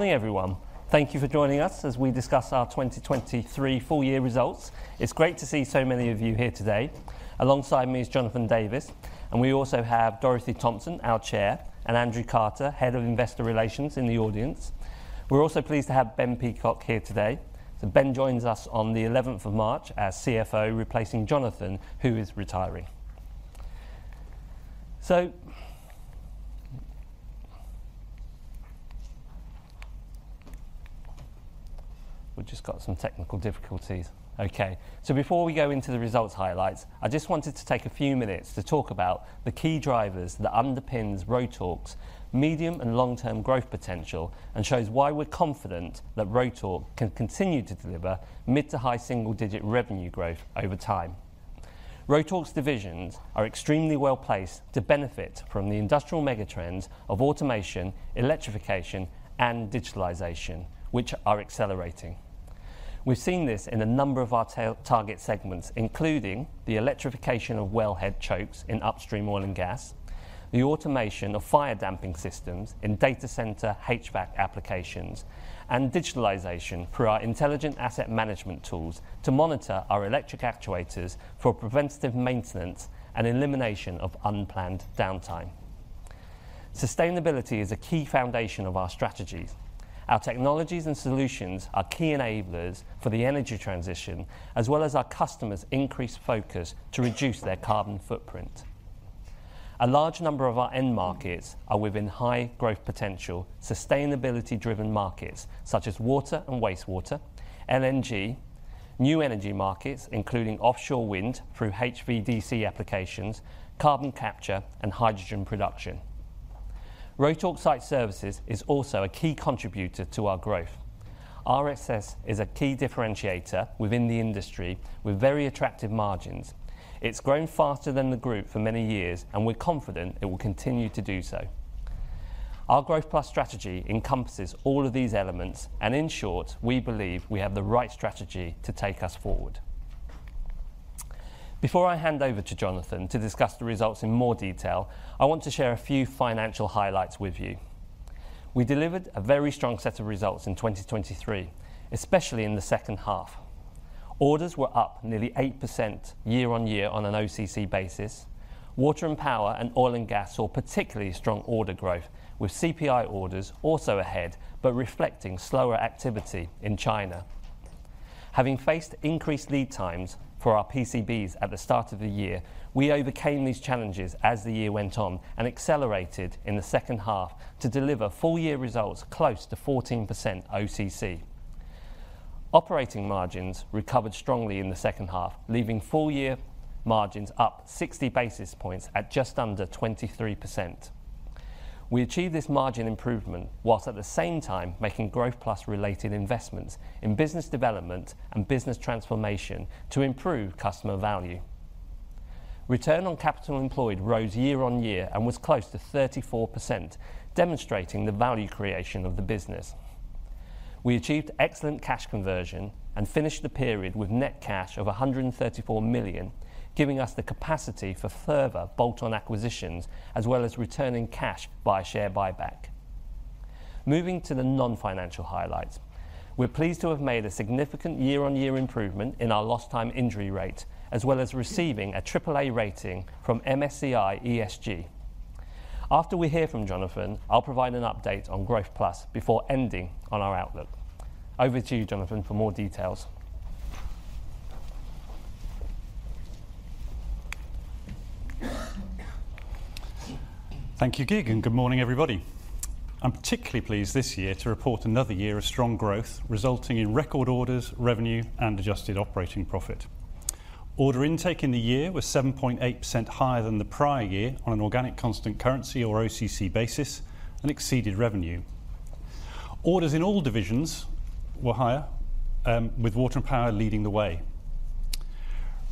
Morning, everyone. Thank you for joining us as we discuss our 2023 full year results. It's great to see so many of you here today. Alongside me is Jonathan Davis, and we also have Dorothy Thompson, our Chair, and Andrew Carter, Head of Investor Relations, in the audience. We're also pleased to have Ben Peacock here today. So Ben joins us on the eleventh of March as CFO, replacing Jonathan, who is retiring. So, we've just got some technical difficulties. Okay, so before we go into the results highlights, I just wanted to take a few minutes to talk about the key drivers that underpins Rotork's medium and long-term growth potential, and shows why we're confident that Rotork can continue to deliver mid to high single digit revenue growth over time. Rotork's divisions are extremely well-placed to benefit from the industrial mega trends of automation, electrification, and digitalization, which are accelerating. We've seen this in a number of our target segments, including the electrification of wellhead chokes in upstream oil and gas, the automation of fire damping systems in data center HVAC applications, and digitalization through our intelligent asset management tools to monitor our electric actuators for preventative maintenance and elimination of unplanned downtime. Sustainability is a key foundation of our strategies. Our technologies and solutions are key enablers for the energy transition, as well as our customers' increased focus to reduce their carbon footprint. A large number of our end markets are within high growth potential, sustainability-driven markets, such as water and wastewater, LNG, new energy markets, including offshore wind through HVDC applications, carbon capture, and hydrogen production. Rotork Site Services is also a key contributor to our growth. RSS is a key differentiator within the industry with very attractive margins. It's grown faster than the group for many years, and we're confident it will continue to do so. Our Growth Plus strategy encompasses all of these elements, and in short, we believe we have the right strategy to take us forward. Before I hand over to Jonathan to discuss the results in more detail, I want to share a few financial highlights with you. We delivered a very strong set of results in 2023, especially in the second half. Orders were up nearly 8% year-on-year on an OCC basis. Water and power, and oil and gas, saw particularly strong order growth, with CPI orders also ahead, but reflecting slower activity in China. Having faced increased lead times for our PCBs at the start of the year, we overcame these challenges as the year went on and accelerated in the second half to deliver full year results close to 14% OCC. Operating margins recovered strongly in the second half, leaving full year margins up 60 basis points at just under 23%. We achieved this margin improvement while at the same time making Growth Plus related investments in business development and business transformation to improve customer value. Return on capital employed rose year-on-year and was close to 34%, demonstrating the value creation of the business. We achieved excellent cash conversion and finished the period with net cash of 134 million, giving us the capacity for further bolt-on acquisitions, as well as returning cash by share buyback. Moving to the non-financial highlights, we're pleased to have made a significant year-over-year improvement in our lost time injury rate, as well as receiving a triple A rating from MSCI ESG. After we hear from Jonathan, I'll provide an update on Growth Plus before ending on our outlook. Over to you, Jonathan, for more details. Thank you, Kiet, and good morning, everybody. I'm particularly pleased this year to report another year of strong growth, resulting in record orders, revenue, and adjusted operating profit. Order intake in the year was 7.8% higher than the prior year on an organic constant currency, or OCC basis, and exceeded revenue. Orders in all divisions were higher, with water and power leading the way.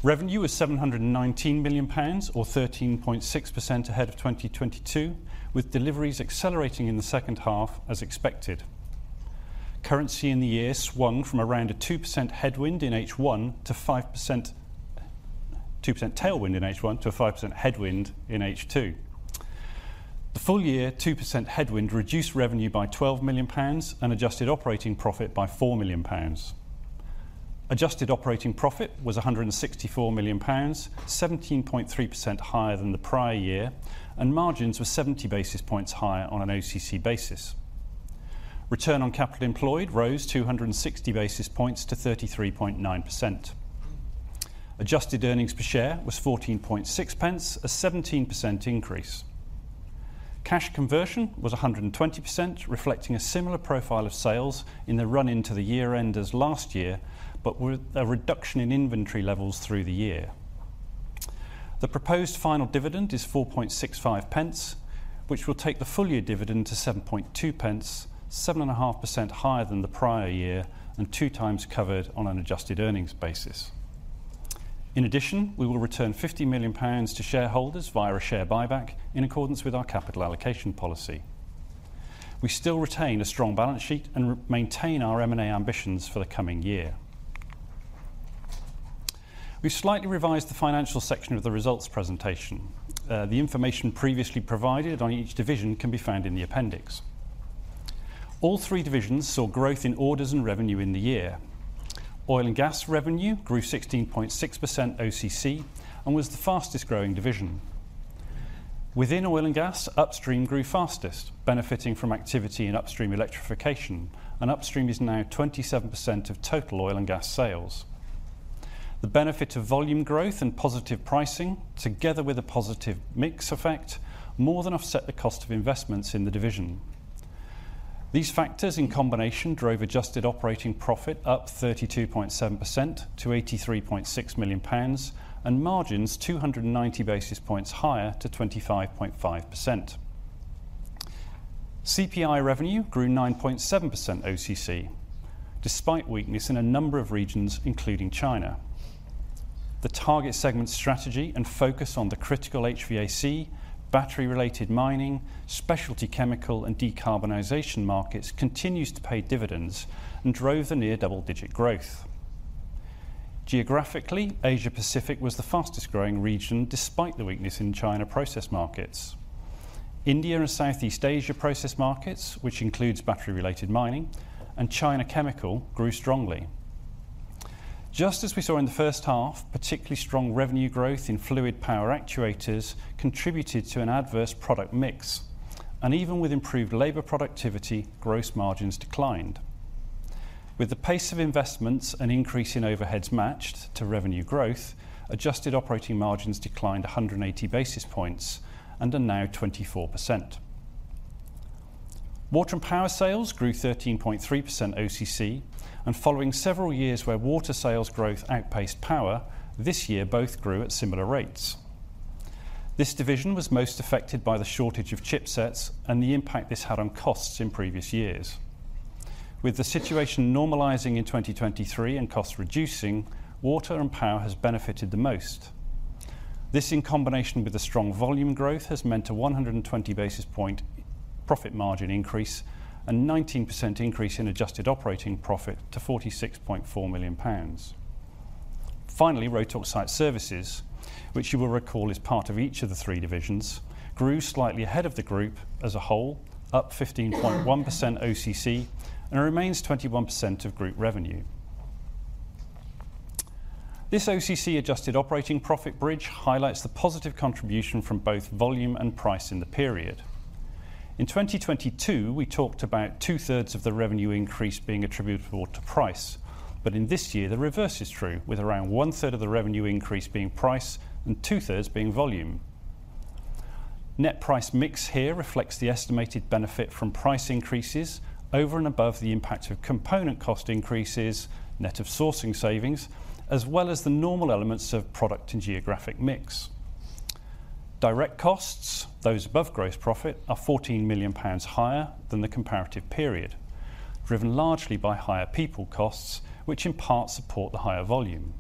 Revenue was 719 million pounds, or 13.6% ahead of 2022, with deliveries accelerating in the second half, as expected. Currency in the year swung from around a 2% tailwind in H1 to a 5% headwind in H2. The full year 2% headwind reduced revenue by 12 million pounds and adjusted operating profit by 4 million pounds. Adjusted operating profit was 164 million pounds, 17.3% higher than the prior year, and margins were 70 basis points higher on an OCC basis. Return on capital employed rose 260 basis points to 33.9%. Adjusted earnings per share was 0.146, a 17% increase. Cash conversion was 120%, reflecting a similar profile of sales in the run into the year end as last year, but with a reduction in inventory levels through the year. The proposed final dividend is 0.0465, which will take the full year dividend to 0.072, 7.5% higher than the prior year and 2 times covered on an adjusted earnings basis. In addition, we will return 50 million pounds to shareholders via a share buyback in accordance with our capital allocation policy. We still retain a strong balance sheet and maintain our M&A ambitions for the coming year. We've slightly revised the financial section of the results presentation. The information previously provided on each division can be found in the appendix. All three divisions saw growth in orders and revenue in the year. Oil and Gas revenue grew 16.6% OCC, and was the fastest growing division. Within Oil and Gas, Upstream grew fastest, benefiting from activity in upstream electrification, and Upstream is now 27% of total Oil and Gas sales. The benefit of volume growth and positive pricing, together with a positive mix effect, more than offset the cost of investments in the division. These factors in combination drove adjusted operating profit up 32.7% to 83.6 million pounds, and margins 290 basis points higher to 25.5%. CPI revenue grew 9.7% OCC, despite weakness in a number of regions, including China. The target segment strategy and focus on the critical HVAC, battery-related mining, specialty chemical, and decarbonization markets continues to pay dividends and drove the near double-digit growth. Geographically, Asia Pacific was the fastest growing region, despite the weakness in China process markets. India and Southeast Asia process markets, which includes battery-related mining and China chemical, grew strongly. Just as we saw in the first half, particularly strong revenue growth in fluid power actuators contributed to an adverse product mix, and even with improved labor productivity, gross margins declined. With the pace of investments and increase in overheads matched to revenue growth, adjusted operating margins declined 180 basis points and are now 24%. Water and Power sales grew 13.3% OCC, and following several years where water sales growth outpaced power, this year, both grew at similar rates. This division was most affected by the shortage of chipsets and the impact this had on costs in previous years. With the situation normalizing in 2023 and costs reducing, Water and Power has benefited the most. This, in combination with the strong volume growth, has meant a 120 basis points profit margin increase, and 19% increase in adjusted operating profit to 46.4 million pounds. Finally, Rotork Site Services, which you will recall is part of each of the three divisions, grew slightly ahead of the group as a whole, up 15.1% OCC, and remains 21% of group revenue. This OCC adjusted operating profit bridge highlights the positive contribution from both volume and price in the period. In 2022, we talked about two-thirds of the revenue increase being attributable to price, but in this year the reverse is true, with around one-third of the revenue increase being price and two-thirds being volume. Net price mix here reflects the estimated benefit from price increases over and above the impact of component cost increases, net of sourcing savings, as well as the normal elements of product and geographic mix. Direct costs, those above gross profit, are 14 million pounds higher than the comparative period, driven largely by higher people costs, which in part support the higher volume.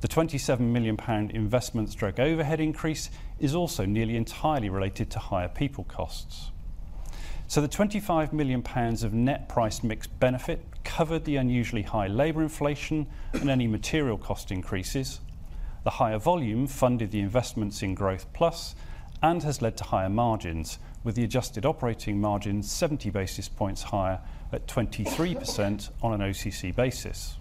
The 27 million pound investments drove overhead increase is also nearly entirely related to higher people costs. So the 25 million pounds of net price mixed benefit covered the unusually high labor inflation and any material cost increases. The higher volume funded the investments in Growth Plus and has led to higher margins, with the adjusted operating margin 70 basis points higher at 23% on an OCC basis.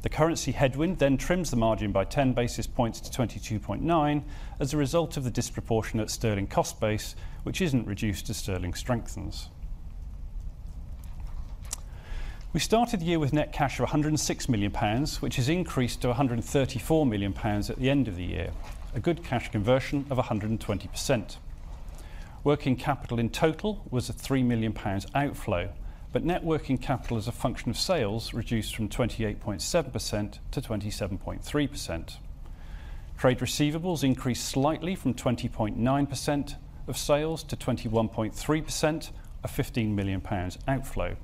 The currency headwind then trims the margin by 10 basis points to 22.9% as a result of the disproportionate sterling cost base, which isn't reduced as sterling strengthens. We started the year with net cash of 106 million pounds, which has increased to 134 million pounds at the end of the year, a good cash conversion of 120%. Working capital in total was a 3 million pounds outflow, but net working capital as a function of sales reduced from 28.7% to 27.3%. Trade receivables increased slightly from 20.9% of sales to 21.3%, a 15 million pounds outflow.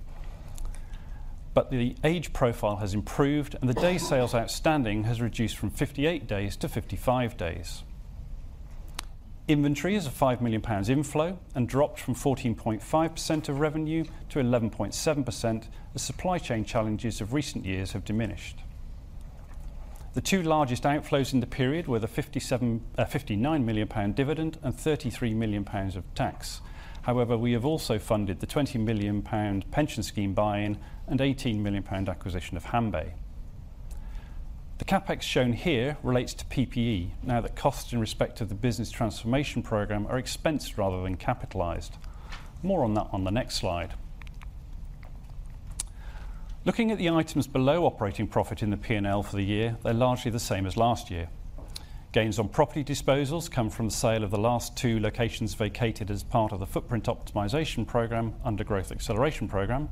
But the age profile has improved, and the day sales outstanding has reduced from 58 days to 55 days. Inventory is a 5 million pounds inflow and dropped from 14.5% of revenue to 11.7%, as supply chain challenges of recent years have diminished. The two largest outflows in the period were the 59 million pound dividend and 33 million pounds of tax. However, we have also funded the 20 million pound pension scheme buy-in and 18 million pound acquisition of Hanbay. The CapEx shown here relates to PPE, now that costs in respect of the business transformation program are expensed rather than capitalized. More on that on the next slide. Looking at the items below, operating profit in the P&L for the year, they're largely the same as last year. Gains on property disposals come from the sale of the last two locations vacated as part of the footprint optimization program under Growth Acceleration Program.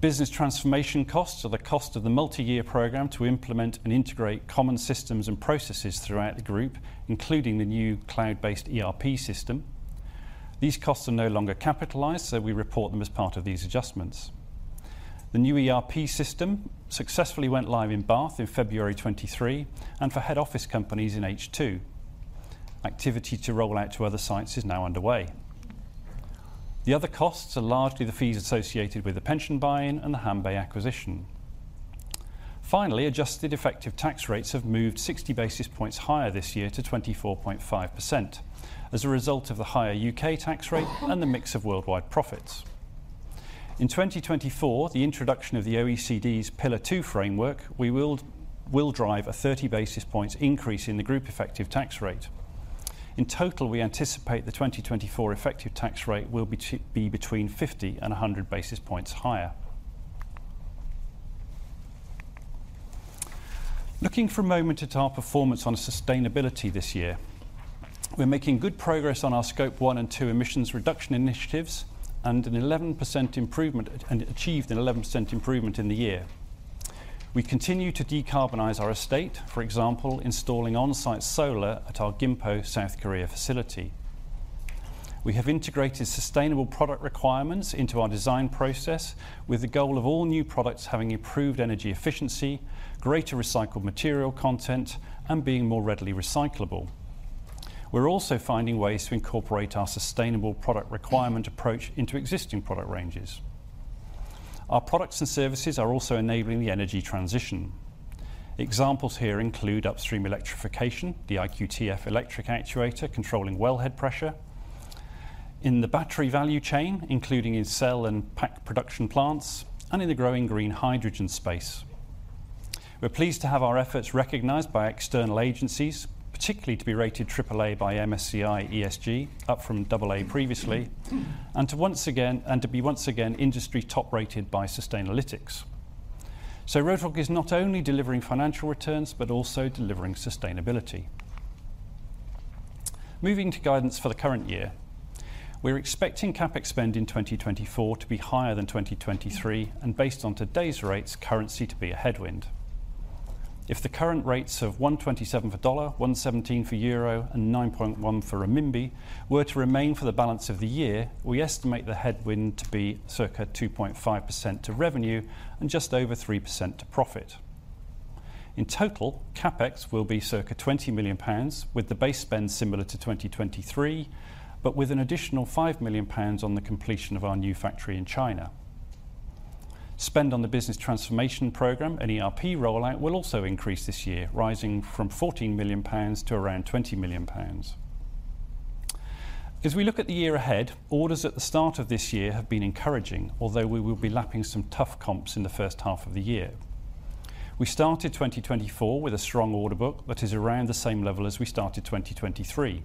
Business transformation costs are the cost of the multi-year program to implement and integrate common systems and processes throughout the group, including the new cloud-based ERP system. These costs are no longer capitalized, so we report them as part of these adjustments. The new ERP system successfully went live in Bath in February 2023, and for head office companies in H2. Activity to roll out to other sites is now underway. The other costs are largely the fees associated with the pension buy-in and the Hanbay acquisition. Finally, adjusted effective tax rates have moved 60 basis points higher this year to 24.5% as a result of the higher UK tax rate and the mix of worldwide profits. In 2024, the introduction of the OECD's Pillar Two framework will drive a 30 basis points increase in the group effective tax rate. In total, we anticipate the 2024 effective tax rate will be between 50 and 100 basis points higher. Looking for a moment at our performance on sustainability this year, we're making good progress on our Scope One and Two emissions reduction initiatives, and an 11% improvement, and achieved an 11% improvement in the year. We continue to decarbonize our estate, for example, installing on-site solar at our Gimpo, South Korea, facility. We have integrated sustainable product requirements into our design process with the goal of all new products having improved energy efficiency, greater recycled material content, and being more readily recyclable. We're also finding ways to incorporate our sustainable product requirement approach into existing product ranges. Our products and services are also enabling the energy transition. Examples here include upstream electrification, the IQTF electric actuator, controlling wellhead pressure. In the battery value chain, including in cell and pack production plants, and in the growing green hydrogen space. We're pleased to have our efforts recognized by external agencies, particularly to be rated AAA by MSCI ESG, up from AA previously, and to once again, and to be once again industry top-rated by Sustainalytics. So Rotork is not only delivering financial returns, but also delivering sustainability. Moving to guidance for the current year. We're expecting CapEx spend in 2024 to be higher than 2023, and based on today's rates, currency to be a headwind. If the current rates of 1.27 for dollar, 1.17 for euro, and 9.1 for renminbi were to remain for the balance of the year, we estimate the headwind to be circa 2.5% to revenue and just over 3% to profit. In total, CapEx will be circa 20 million pounds, with the base spend similar to 2023, but with an additional 5 million pounds on the completion of our new factory in China. Spend on the business transformation program and ERP rollout will also increase this year, rising from 14 million pounds to around 20 million pounds. As we look at the year ahead, orders at the start of this year have been encouraging, although we will be lapping some tough comps in the first half of the year. We started 2024 with a strong order book that is around the same level as we started 2023.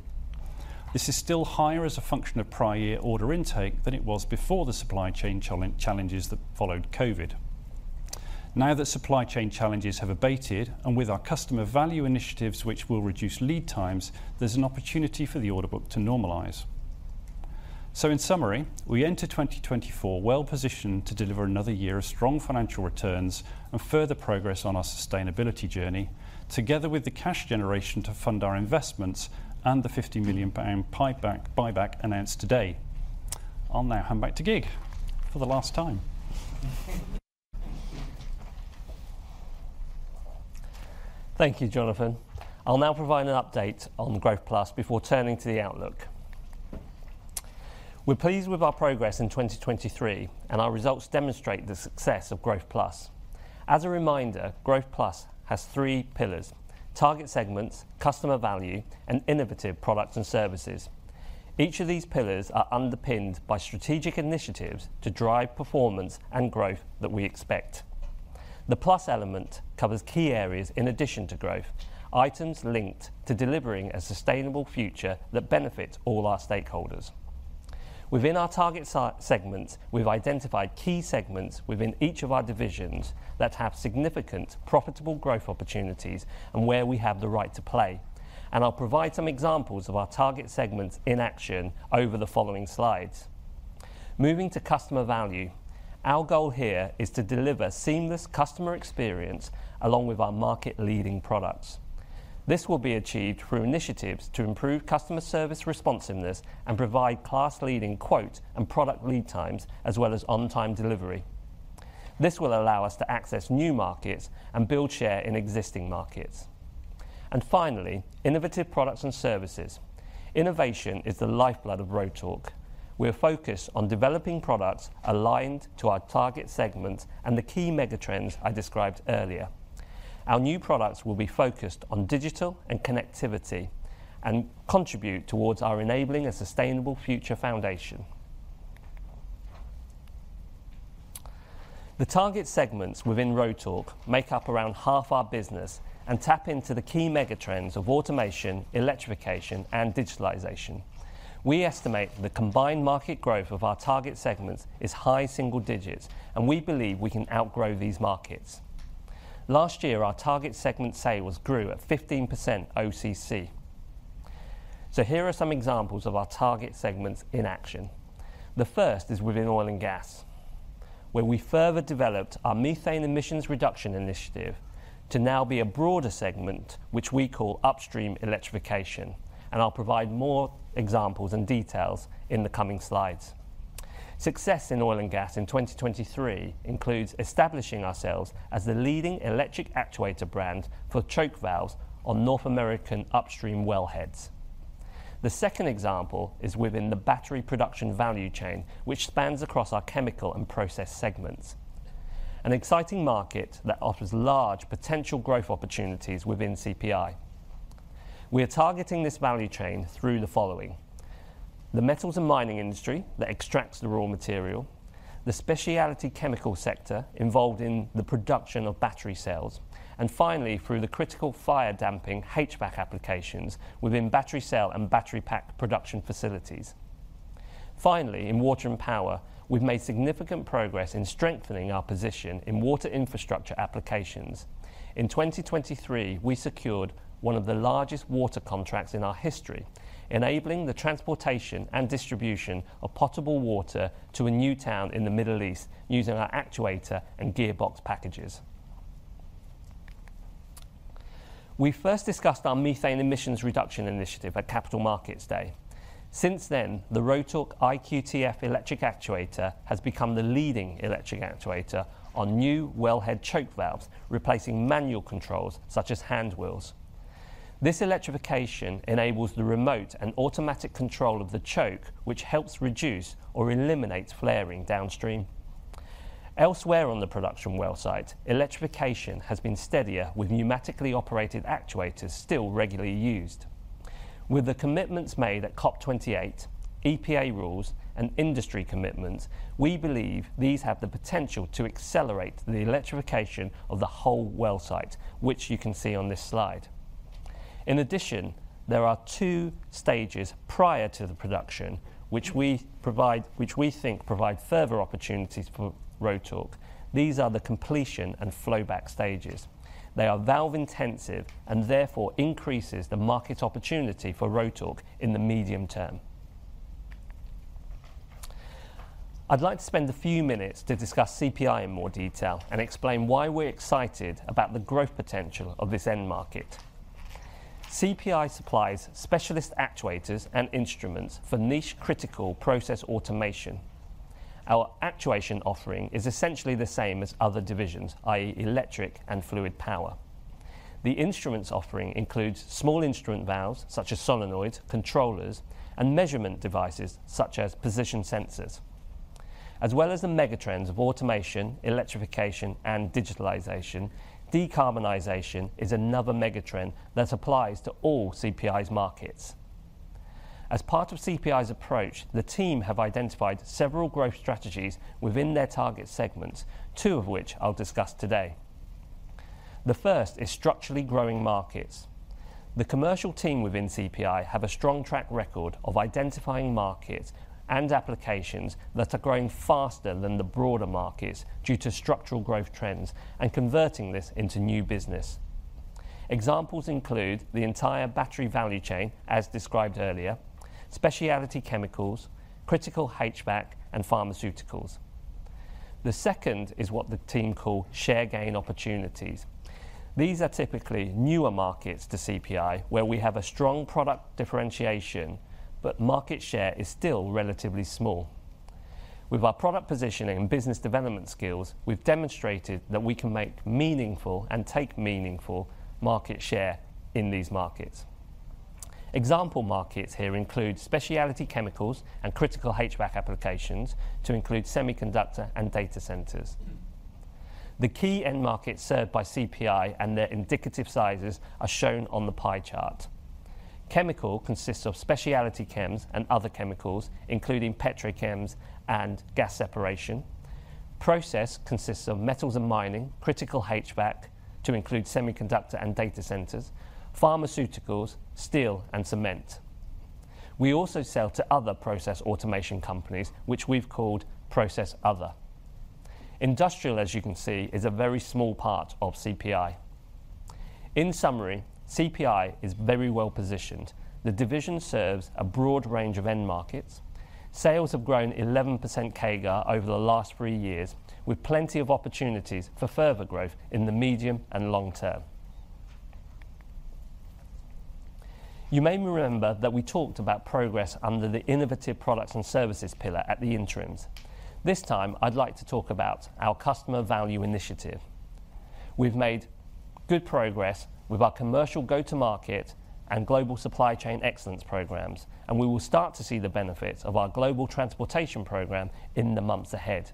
This is still higher as a function of prior order intake than it was before the supply chain challenges that followed COVID. Now that supply chain challenges have abated, and with our customer value initiatives, which will reduce lead times, there's an opportunity for the order book to normalize. So in summary, we enter 2024 well positioned to deliver another year of strong financial returns and further progress on our sustainability journey, together with the cash generation to fund our investments and the 50 million pound buyback announced today. I'll now hand back to Kiet, for the last time. Thank you, Jonathan. I'll now provide an update on Growth Plus before turning to the outlook. We're pleased with our progress in 2023, and our results demonstrate the success of Growth Plus. As a reminder, Growth Plus has three pillars: target segments, customer value, and innovative products and services. Each of these pillars are underpinned by strategic initiatives to drive performance and growth that we expect. The plus element covers key areas in addition to growth, items linked to delivering a sustainable future that benefits all our stakeholders. Within our target segments, we've identified key segments within each of our divisions that have significant profitable growth opportunities and where we have the right to play. I'll provide some examples of our target segments in action over the following slides. Moving to customer value, our goal here is to deliver seamless customer experience along with our market-leading products. This will be achieved through initiatives to improve customer service responsiveness and provide class-leading quote and product lead times, as well as on-time delivery. This will allow us to access new markets and build share in existing markets. And finally, innovative products and services. Innovation is the lifeblood of Rotork. We are focused on developing products aligned to our target segments and the key mega trends I described earlier. Our new products will be focused on digital and connectivity and contribute towards our enabling a sustainable future foundation. The target segments within Rotork make up around half our business and tap into the key mega trends of automation, electrification, and digitalization. We estimate the combined market growth of our target segments is high single digits, and we believe we can outgrow these markets. Last year, our target segment sales grew at 15% OCC. So here are some examples of our target segments in action. The first is within oil and gas, where we further developed our methane emissions reduction initiative to now be a broader segment, which we call upstream electrification, and I'll provide more examples and details in the coming slides. Success in oil and gas in 2023 includes establishing ourselves as the leading electric actuator brand for choke valves on North American upstream wellheads. The second example is within the battery production value chain, which spans across our chemical and process segments, an exciting market that offers large potential growth opportunities within CPI. We are targeting this value chain through the following: The metals and mining industry that extracts the raw material, the specialty chemical sector involved in the production of battery cells, and finally, through the critical fire damping HVAC applications within battery cell and battery pack production facilities. Finally, in water and power, we've made significant progress in strengthening our position in water infrastructure applications. In 2023, we secured one of the largest water contracts in our history, enabling the transportation and distribution of potable water to a new town in the Middle East using our actuator and gearbox packages. We first discussed our methane emissions reduction initiative at Capital Markets Day. Since then, the Rotork IQTF electric actuator has become the leading electric actuator on new wellhead choke valves, replacing manual controls such as hand wheels. This electrification enables the remote and automatic control of the choke, which helps reduce or eliminate flaring downstream. Elsewhere on the production well site, electrification has been steadier, with pneumatically operated actuators still regularly used. With the commitments made at COP28, EPA rules, and industry commitments, we believe these have the potential to accelerate the electrification of the whole well site, which you can see on this slide. In addition, there are two stages prior to the production, which we think provide further opportunities for Rotork. These are the completion and flowback stages. They are valve-intensive and therefore increases the market opportunity for Rotork in the medium term. I'd like to spend a few minutes to discuss CPI in more detail and explain why we're excited about the growth potential of this end market. CPI supplies specialist actuators and instruments for niche critical process automation. Our actuation offering is essentially the same as other divisions, i.e., electric and fluid power. The instruments offering includes small instrument valves, such as solenoids, controllers, and measurement devices, such as position sensors. As well as the megatrends of automation, electrification, and digitalization, decarbonization is another megatrend that applies to all CPI's markets. As part of CPI's approach, the team have identified several growth strategies within their target segments, two of which I'll discuss today. The first is structurally growing markets. The commercial team within CPI have a strong track record of identifying markets and applications that are growing faster than the broader markets due to structural growth trends and converting this into new business. Examples include the entire battery value chain, as described earlier, specialty chemicals, critical HVAC, and pharmaceuticals. The second is what the team call share gain opportunities. These are typically newer markets to CPI, where we have a strong product differentiation, but market share is still relatively small. With our product positioning and business development skills, we've demonstrated that we can make meaningful and take meaningful market share in these markets. Example markets here include specialty chemicals and critical HVAC applications, to include semiconductor and data centers. The key end markets served by CPI and their indicative sizes are shown on the pie chart. Chemical consists of specialty chems and other chemicals, including petrochems and gas separation. Process consists of metals and mining, critical HVAC, to include semiconductor and data centers, pharmaceuticals, steel, and cement. We also sell to other process automation companies, which we've called Process Other. Industrial, as you can see, is a very small part of CPI. In summary, CPI is very well positioned. The division serves a broad range of end markets. Sales have grown 11% CAGR over the last 3 years, with plenty of opportunities for further growth in the medium and long term. You may remember that we talked about progress under the innovative products and services pillar at the interims. This time, I'd like to talk about our customer value initiative. We've made good progress with our commercial go-to-market and global supply chain excellence programs, and we will start to see the benefits of our global transportation program in the months ahead.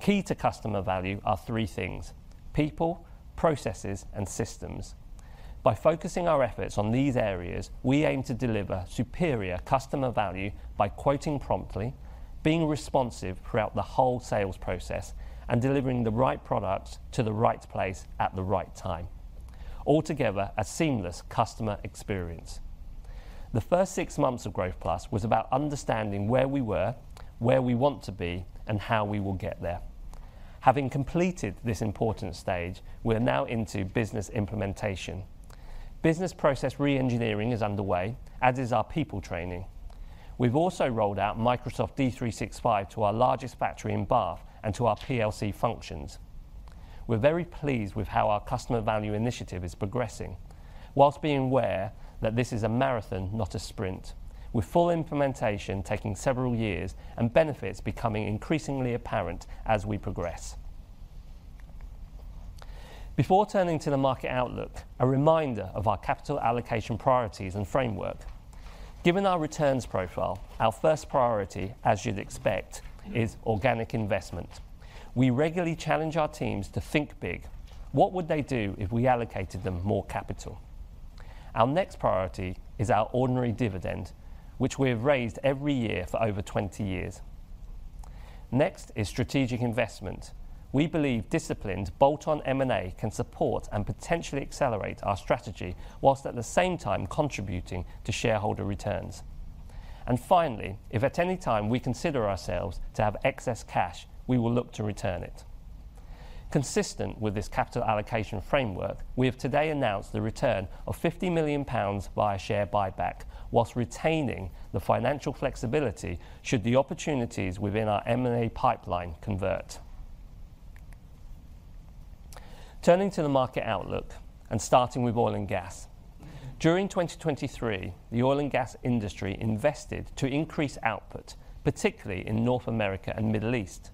Key to customer value are three things: people, processes, and systems. By focusing our efforts on these areas, we aim to deliver superior customer value by quoting promptly, being responsive throughout the whole sales process, and delivering the right products to the right place at the right time. Altogether, a seamless customer experience. The first six months of Growth Plus was about understanding where we were, where we want to be, and how we will get there. Having completed this important stage, we are now into business implementation. Business process reengineering is underway, as is our people training. We've also rolled out Microsoft D365 to our largest factory in Bath and to our PLC functions... We're very pleased with how our customer value initiative is progressing, whilst being aware that this is a marathon, not a sprint, with full implementation taking several years and benefits becoming increasingly apparent as we progress. Before turning to the market outlook, a reminder of our capital allocation priorities and framework. Given our returns profile, our first priority, as you'd expect, is organic investment. We regularly challenge our teams to think big. What would they do if we allocated them more capital? Our next priority is our ordinary dividend, which we have raised every year for over 20 years. Next is strategic investment. We believe disciplined bolt-on M&A can support and potentially accelerate our strategy, whilst at the same time contributing to shareholder returns. And finally, if at any time we consider ourselves to have excess cash, we will look to return it. Consistent with this capital allocation framework, we have today announced the return of 50 million pounds via share buyback, whilst retaining the financial flexibility should the opportunities within our M&A pipeline convert. Turning to the market outlook, and starting with oil and gas. During 2023, the oil and gas industry invested to increase output, particularly in North America and Middle East,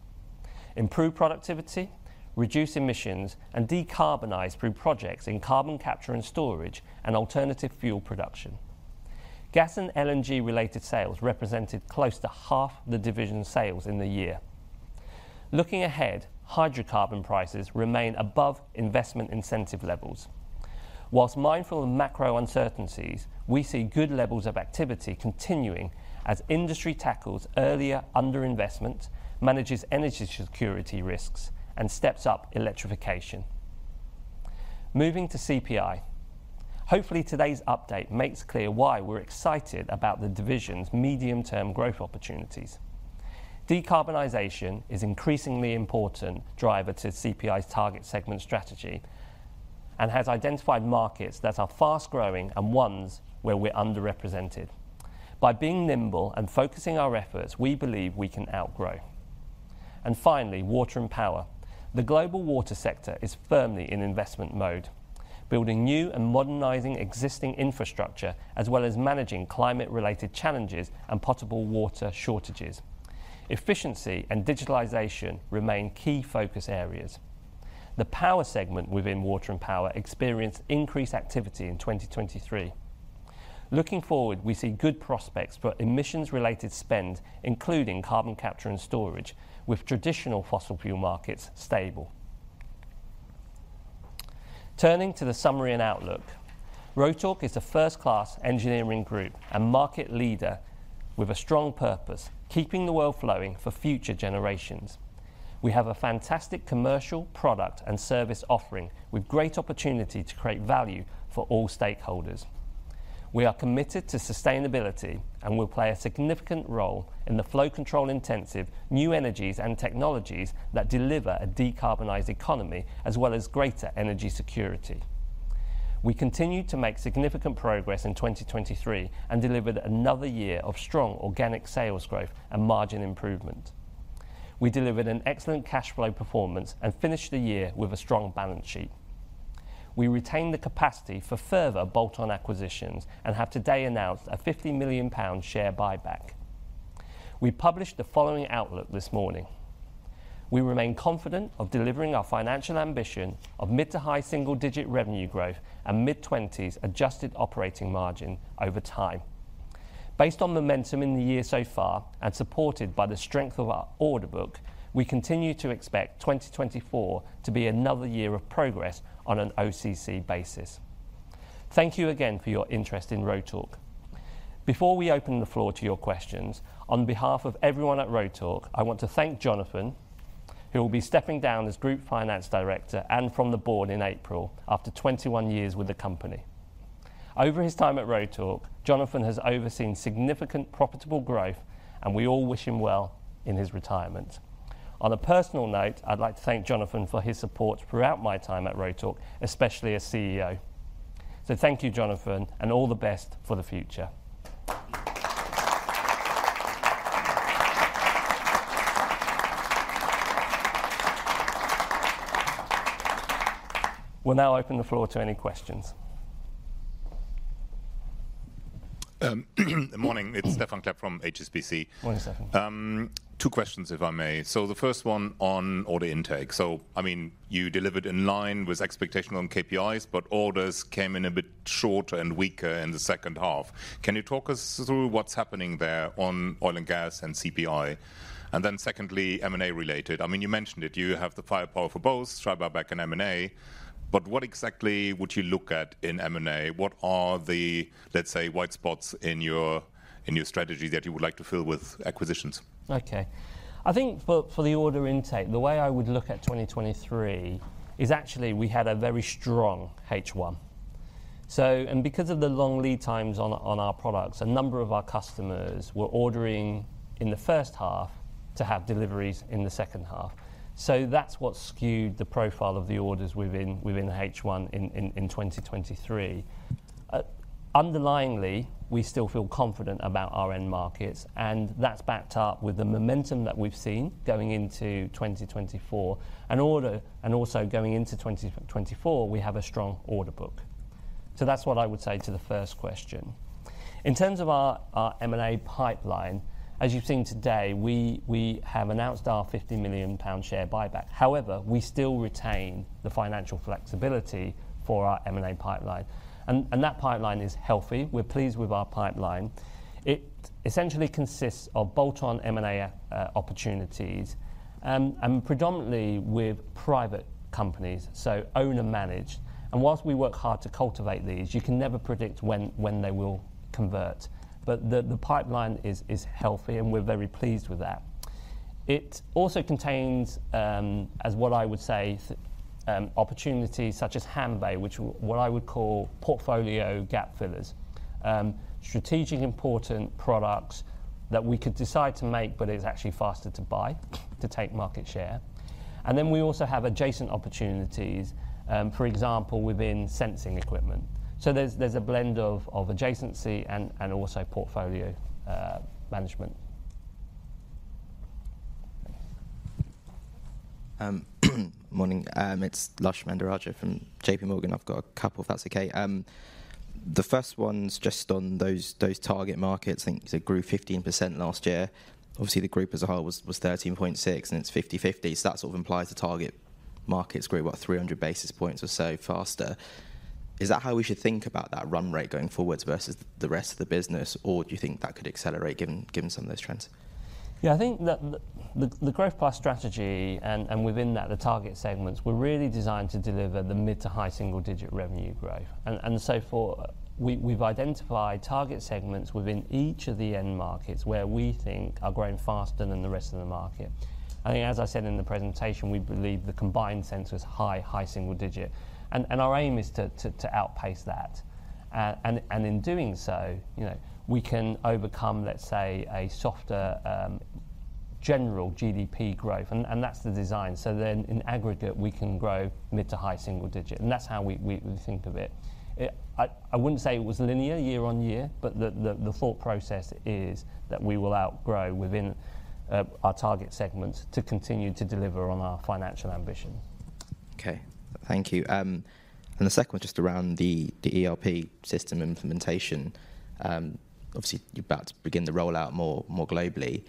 improve productivity, reduce emissions, and decarbonize through projects in carbon capture and storage and alternative fuel production. Gas and LNG-related sales represented close to half the division's sales in the year. Looking ahead, hydrocarbon prices remain above investment incentive levels. While mindful of macro uncertainties, we see good levels of activity continuing as industry tackles earlier underinvestment, manages energy security risks, and steps up electrification. Moving to CPI. Hopefully, today's update makes clear why we're excited about the division's medium-term growth opportunities. Decarbonization is increasingly important driver to CPI's target segment strategy and has identified markets that are fast-growing and ones where we're underrepresented. By being nimble and focusing our efforts, we believe we can outgrow. And finally, water and power. The global water sector is firmly in investment mode, building new and modernizing existing infrastructure, as well as managing climate-related challenges and potable water shortages. Efficiency and digitalization remain key focus areas. The power segment within water and power experienced increased activity in 2023. Looking forward, we see good prospects for emissions-related spend, including carbon capture and storage, with traditional fossil fuel markets stable. Turning to the summary and outlook, Rotork is a first-class engineering group and market leader with a strong purpose: keeping the world flowing for future generations. We have a fantastic commercial product and service offering, with great opportunity to create value for all stakeholders. We are committed to sustainability and will play a significant role in the flow control intensive new energies and technologies that deliver a decarbonized economy, as well as greater energy security. We continued to make significant progress in 2023 and delivered another year of strong organic sales growth and margin improvement. We delivered an excellent cash flow performance and finished the year with a strong balance sheet. We retained the capacity for further bolt-on acquisitions and have today announced a 50 million pound share buyback. We published the following outlook this morning: We remain confident of delivering our financial ambition of mid- to high single-digit revenue growth and mid-20s adjusted operating margin over time. Based on momentum in the year so far, and supported by the strength of our order book, we continue to expect 2024 to be another year of progress on an OCC basis. Thank you again for your interest in Rotork. Before we open the floor to your questions, on behalf of everyone at Rotork, I want to thank Jonathan, who will be stepping down as Group Finance Director and from the board in April after 21 years with the company. Over his time at Rotork, Jonathan has overseen significant profitable growth, and we all wish him well in his retirement. On a personal note, I'd like to thank Jonathan for his support throughout my time at Rotork, especially as CEO. Thank you, Jonathan, and all the best for the future. We'll now open the floor to any questions. Morning, it's Stephan Klepp from HSBC. Morning, Stephen. Two questions, if I may. So the first one on order intake. So, I mean, you delivered in line with expectation on KPIs, but orders came in a bit shorter and weaker in the second half. Can you talk us through what's happening there on oil and gas and CPI? And then secondly, M&A related. I mean, you mentioned it, you have the firepower for both, share buyback and M&A, but what exactly would you look at in M&A? What are the, let's say, white spots in your, in your strategy that you would like to fill with acquisitions? Okay. I think for, for the order intake, the way I would look at 2023 is actually we had a very strong H1. So... And because of the long lead times on, on our products, a number of our customers were ordering in the first half to have deliveries in the second half. So that's what skewed the profile of the orders within, within the H1 in, in, in 2023.... underlyingly, we still feel confident about our end markets, and that's backed up with the momentum that we've seen going into 2024. And order, and also going into 2024, we have a strong order book. So that's what I would say to the first question. In terms of our, our M&A pipeline, as you've seen today, we, we have announced our 50 million pound share buyback. However, we still retain the financial flexibility for our M&A pipeline, and that pipeline is healthy. We're pleased with our pipeline. It essentially consists of bolt-on M&A opportunities, and predominantly with private companies, so own and manage. And while we work hard to cultivate these, you can never predict when they will convert. But the pipeline is healthy, and we're very pleased with that. It also contains, as what I would say, opportunities such as Hanbay, which what I would call portfolio gap fillers. Strategic important products that we could decide to make, but it's actually faster to buy, to take market share. And then we also have adjacent opportunities, for example, within sensing equipment. So there's a blend of adjacency and also portfolio management. Morning. It's Lush Mahendrarajah from JP Morgan. I've got a couple, if that's okay. The first one's just on those target markets. I think it grew 15% last year. Obviously, the group as a whole was 13.6, and it's 50/50, so that sort of implies the target markets grew about 300 basis points or so faster. Is that how we should think about that run rate going forwards versus the rest of the business, or do you think that could accelerate, given some of those trends? Yeah, I think the growth path strategy, and within that, the target segments, were really designed to deliver the mid- to high single-digit revenue growth. And so we have identified target segments within each of the end markets where we think are growing faster than the rest of the market. I think, as I said in the presentation, we believe the combined sector is high single digit, and our aim is to outpace that. And in doing so, you know, we can overcome, let's say, a softer general GDP growth, and that's the design. So then in aggregate, we can grow mid- to high single digit, and that's how we think of it. I wouldn't say it was linear year on year, but the thought process is that we will outgrow within our target segments to continue to deliver on our financial ambition. Okay. Thank you. And the second one, just around the ERP system implementation. Obviously, you're about to begin the rollout more globally.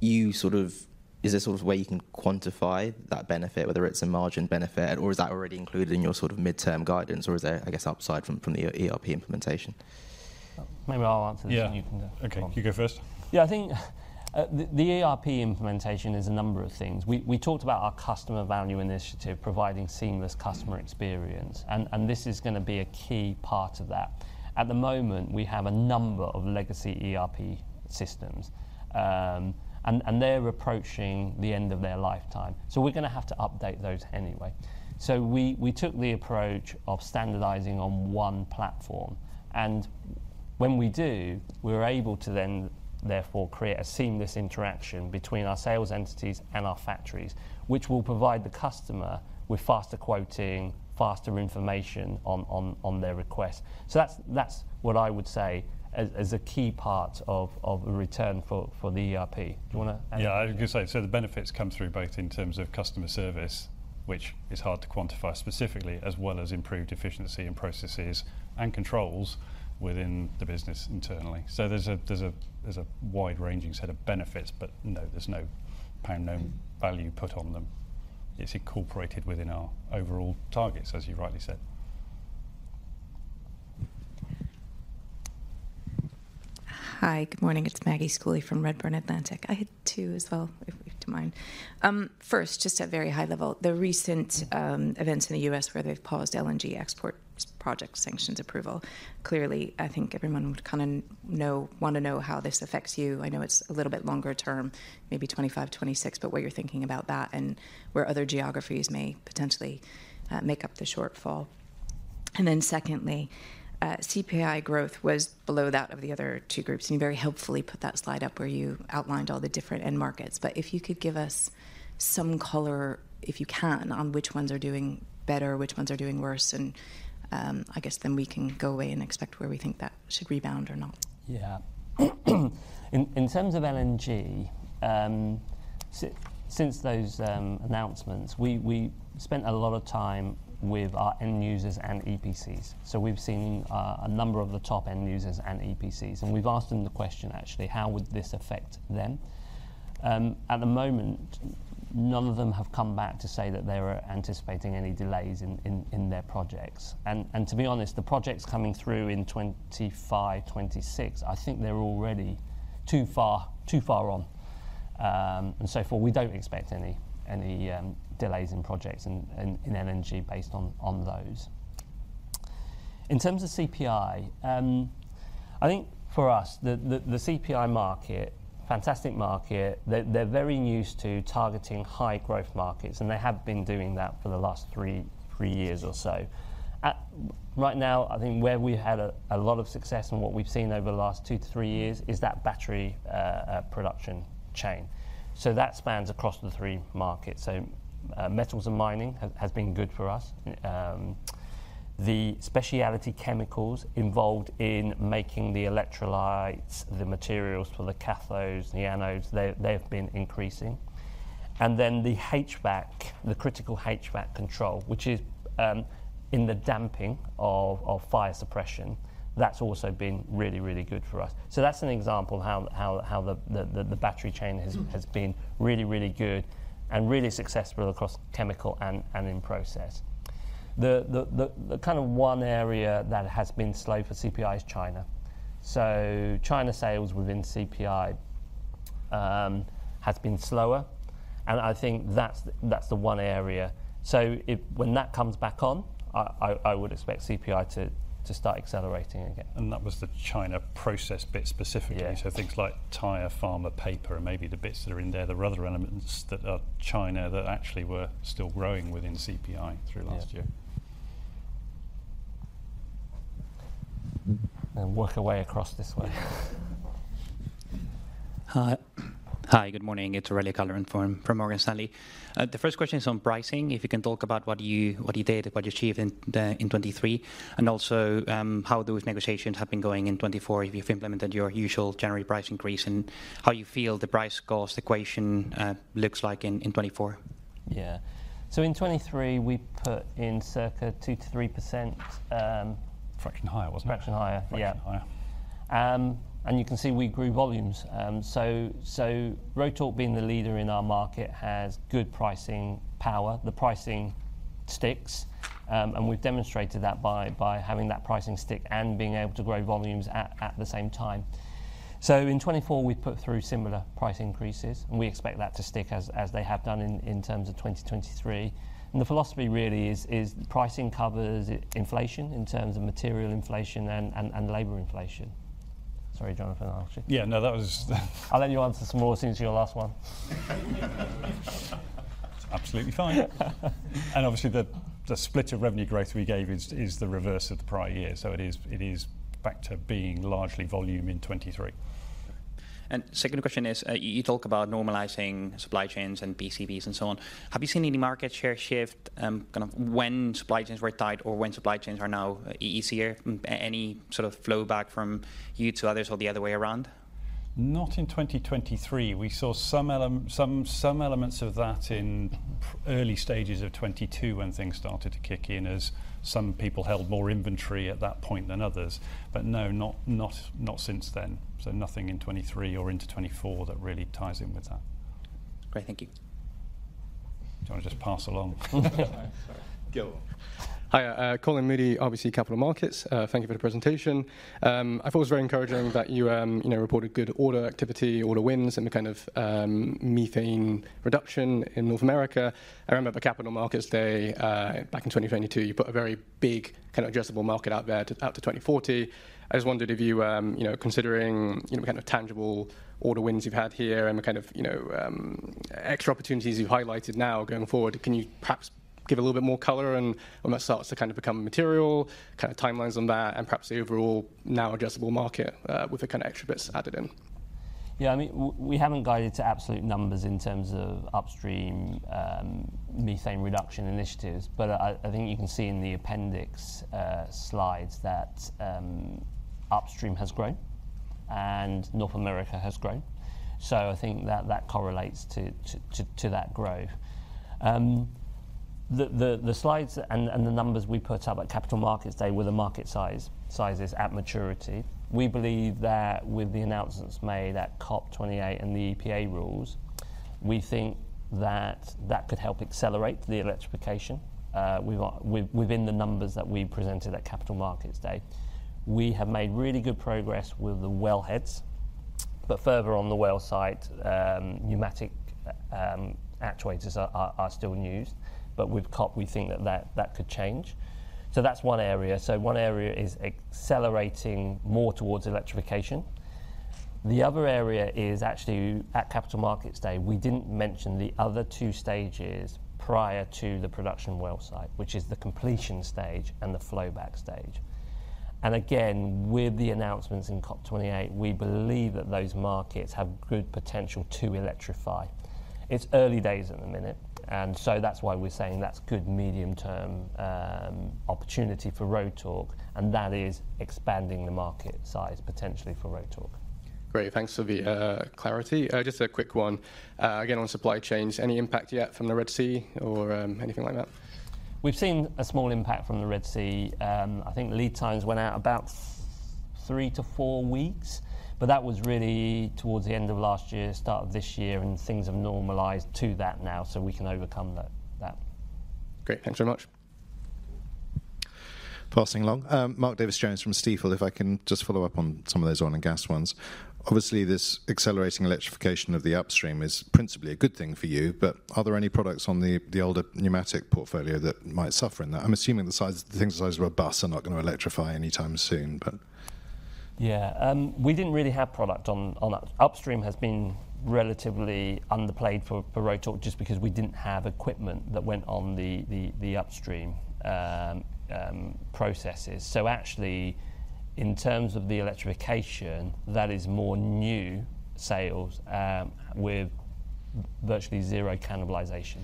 You sort of... Is there sort of a way you can quantify that benefit, whether it's a margin benefit, or is that already included in your sort of midterm guidance, or is there, I guess, upside from the ERP implementation? Maybe I'll answer this- Yeah... and you can go. Okay, you go first. Yeah, I think, the ERP implementation is a number of things. We talked about our customer value initiative, providing seamless customer experience, and this is gonna be a key part of that. At the moment, we have a number of legacy ERP systems, and they're approaching the end of their lifetime, so we're gonna have to update those anyway. So we took the approach of standardizing on one platform, and when we do, we're able to then therefore create a seamless interaction between our sales entities and our factories, which will provide the customer with faster quoting, faster information on their request. So that's what I would say as a key part of a return for the ERP. Do you wanna add? Yeah, I was gonna say, so the benefits come through both in terms of customer service, which is hard to quantify specifically, as well as improved efficiency in processes and controls within the business internally. So there's a wide-ranging set of benefits, but no, there's no pound, no value put on them. It's incorporated within our overall targets, as you've rightly said. Hi, good morning. It's Maggie Schooley from Redburn Atlantic. I had two as well, if you don't mind. First, just at very high level, the recent events in the U.S., where they've paused LNG export project sanctions approval. Clearly, I think everyone would kinda know, wanna know how this affects you. I know it's a little bit longer term, maybe 2025, 2026, but what you're thinking about that and where other geographies may potentially make up the shortfall. And then secondly, CPI growth was below that of the other two groups, and you very helpfully put that slide up where you outlined all the different end markets. But if you could give us some color, if you can, on which ones are doing better, which ones are doing worse, and, I guess then we can go away and expect where we think that should rebound or not. Yeah. In terms of LNG, since those announcements, we spent a lot of time with our end users and EPCs. So we've seen a number of the top end users and EPCs, and we've asked them the question, actually: How would this affect them? At the moment, none of them have come back to say that they were anticipating any delays in their projects. And to be honest, the projects coming through in 2025, 2026, I think they're already too far, too far on. And so far, we don't expect any delays in projects in LNG based on those. In terms of CPI, I think for us, the CPI market, fantastic market, they're very used to targeting high growth markets, and they have been doing that for the last three years or so. Right now, I think where we've had a lot of success and what we've seen over the last two to three years is that battery production chain. So that spans across the three markets. So, metals and mining has been good for us. The specialty chemicals involved in making the electrolytes, the materials for the cathodes, the anodes, they have been increasing. And then the HVAC, the critical HVAC control, which is in the damping of fire suppression, that's also been really, really good for us. So that's an example of how the battery chain has been really good and really successful across chemical and in process. The one area that has been slow for CPI is China. So China sales within CPI has been slower, and I think that's the one area. So when that comes back on, I would expect CPI to start accelerating again. That was the China process bit specifically? Yeah. Things like tire, pharma, paper, and maybe the bits that are in there, there are other elements that are China that actually were still growing within CPI through last year. Yeah. I'll work our way across this way. Hi. Hi, good morning. It's Aurélien Waller from Morgan Stanley. The first question is on pricing, if you can talk about what you did, what you achieved in 2023, and also, how those negotiations have been going in 2024, if you've implemented your usual January price increase, and how you feel the price cost equation looks like in 2024? Yeah. So in 2023, we put in circa 2%-3%, Fraction higher, wasn't it? Fraction higher. Yeah. Fraction higher. You can see we grew volumes. So Rotork being the leader in our market has good pricing power. The pricing sticks, and we've demonstrated that by having that pricing stick and being able to grow volumes at the same time. So in 2024, we've put through similar price increases, and we expect that to stick as they have done in terms of 2023. The philosophy really is pricing covers inflation in terms of material inflation and labor inflation. Sorry, Jonathan, I'll let you... Yeah, no, that was... I'll let you answer some more since your last one. It's absolutely fine. And obviously, the split of revenue growth we gave is the reverse of the prior year, so it is back to being largely volume in 2023. Second question is, you talk about normalizing supply chains and PCBs and so on. Have you seen any market share shift, kind of when supply chains were tight or when supply chains are now easier? Any sort of flow back from you to others or the other way around? Not in 2023. We saw some elements of that in early stages of 2022 when things started to kick in, as some people held more inventory at that point than others. But no, not since then, so nothing in 2023 or into 2024 that really ties in with that. Great. Thank you. Do you want to just pass along? Sorry. Go on. Hi, Colin Moody, RBC Capital Markets. Thank you for the presentation. I thought it was very encouraging that you, you know, reported good order activity, order wins, and the kind of, methane reduction in North America. I remember the Capital Markets Day, back in 2022, you put a very big kind of addressable market out there to 2040. I just wondered if you, you know, kind of tangible order wins you've had here and the kind of, you know, extra opportunities you've highlighted now going forward, can you perhaps give a little bit more color on when that starts to kind of become material, kind of timelines on that, and perhaps the overall now addressable market, with the kind of extra bits added in? Yeah, I mean, we haven't guided to absolute numbers in terms of upstream, methane reduction initiatives, but I think you can see in the appendix, slides that, upstream has grown and North America has grown. So I think that that correlates to that growth. The slides and the numbers we put up at Capital Markets Day were the market size, sizes at maturity. We believe that with the announcements made at COP28 and the EPA rules, we think that that could help accelerate the electrification, within the numbers that we presented at Capital Markets Day. We have made really good progress with the wellheads, but further on the well site, pneumatic actuators are still in use, but with COP, we think that that could change. So that's one area. So one area is accelerating more towards electrification. The other area is actually, at Capital Markets Day, we didn't mention the other two stages prior to the production well site, which is the completion stage and the flowback stage. And again, with the announcements in COP28, we believe that those markets have good potential to electrify. It's early days at the minute, and so that's why we're saying that's good medium-term opportunity for Rotork, and that is expanding the market size potentially for Rotork. Great. Thanks for the clarity. Just a quick one, again, on supply chains. Any impact yet from the Red Sea or anything like that? We've seen a small impact from the Red Sea. I think the lead times went out about 3-4 weeks, but that was really towards the end of last year, start of this year, and things have normalized to that now, so we can overcome that. Great. Thanks very much. Passing along. Mark Davies-Jones from Stifel. If I can just follow up on some of those oil and gas ones. Obviously, this accelerating electrification of the upstream is principally a good thing for you, but are there any products on the older pneumatic portfolio that might suffer in that? I'm assuming the size, the things the size of a bus are not going to electrify anytime soon, but... Yeah, we didn't really have product on upstream. Upstream has been relatively underplayed for Rotork just because we didn't have equipment that went on the upstream processes. So actually, in terms of the electrification, that is more new sales. Virtually zero cannibalization.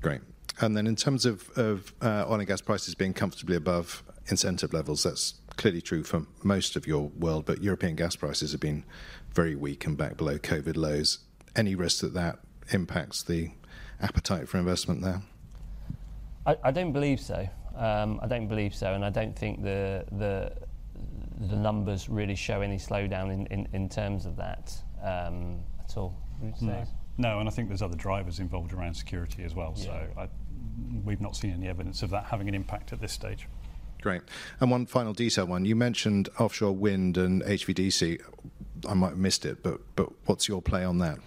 Great. And then in terms of, of, oil and gas prices being comfortably above incentive levels, that's clearly true for most of your world, but European gas prices have been very weak and back below COVID lows. Any risk that that impacts the appetite for investment there? I don't believe so. I don't believe so, and I don't think the numbers really show any slowdown in terms of that, at all. Would you say? No, and I think there's other drivers involved around security as well. Yeah. So we've not seen any evidence of that having an impact at this stage. Great. And one final detail, one you mentioned offshore wind and HVDC. I might have missed it, but what's your play on that?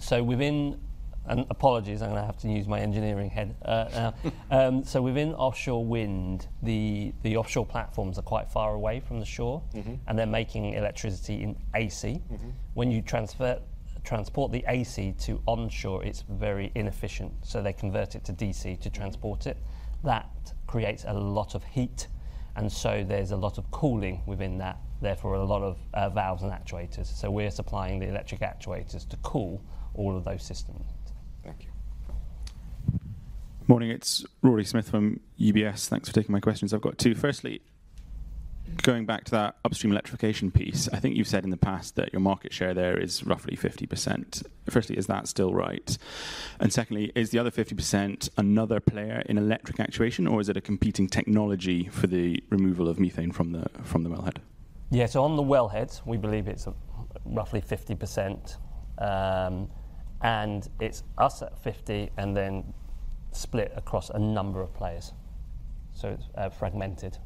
So within... And apologies, I'm gonna have to use my engineering head now. So within offshore wind, the offshore platforms are quite far away from the shore- Mm-hmm. They're making electricity in AC. Mm-hmm. When you transfer, transport the AC to onshore, it's very inefficient, so they convert it to DC to transport it. That creates a lot of heat, and so there's a lot of cooling within that, therefore, a lot of valves and actuators. So we're supplying the electric actuators to cool all of those systems. Thank you. Morning, it's Rory Smith from UBS. Thanks for taking my questions. I've got two. Firstly, going back to that upstream electrification piece, I think you've said in the past that your market share there is roughly 50%. Firstly, is that still right? And secondly, is the other 50% another player in electric actuation, or is it a competing technology for the removal of methane from the wellhead? Yeah, so on the wellhead, we believe it's roughly 50%. And it's us at 50, and then split across a number of players. So it's fragmented.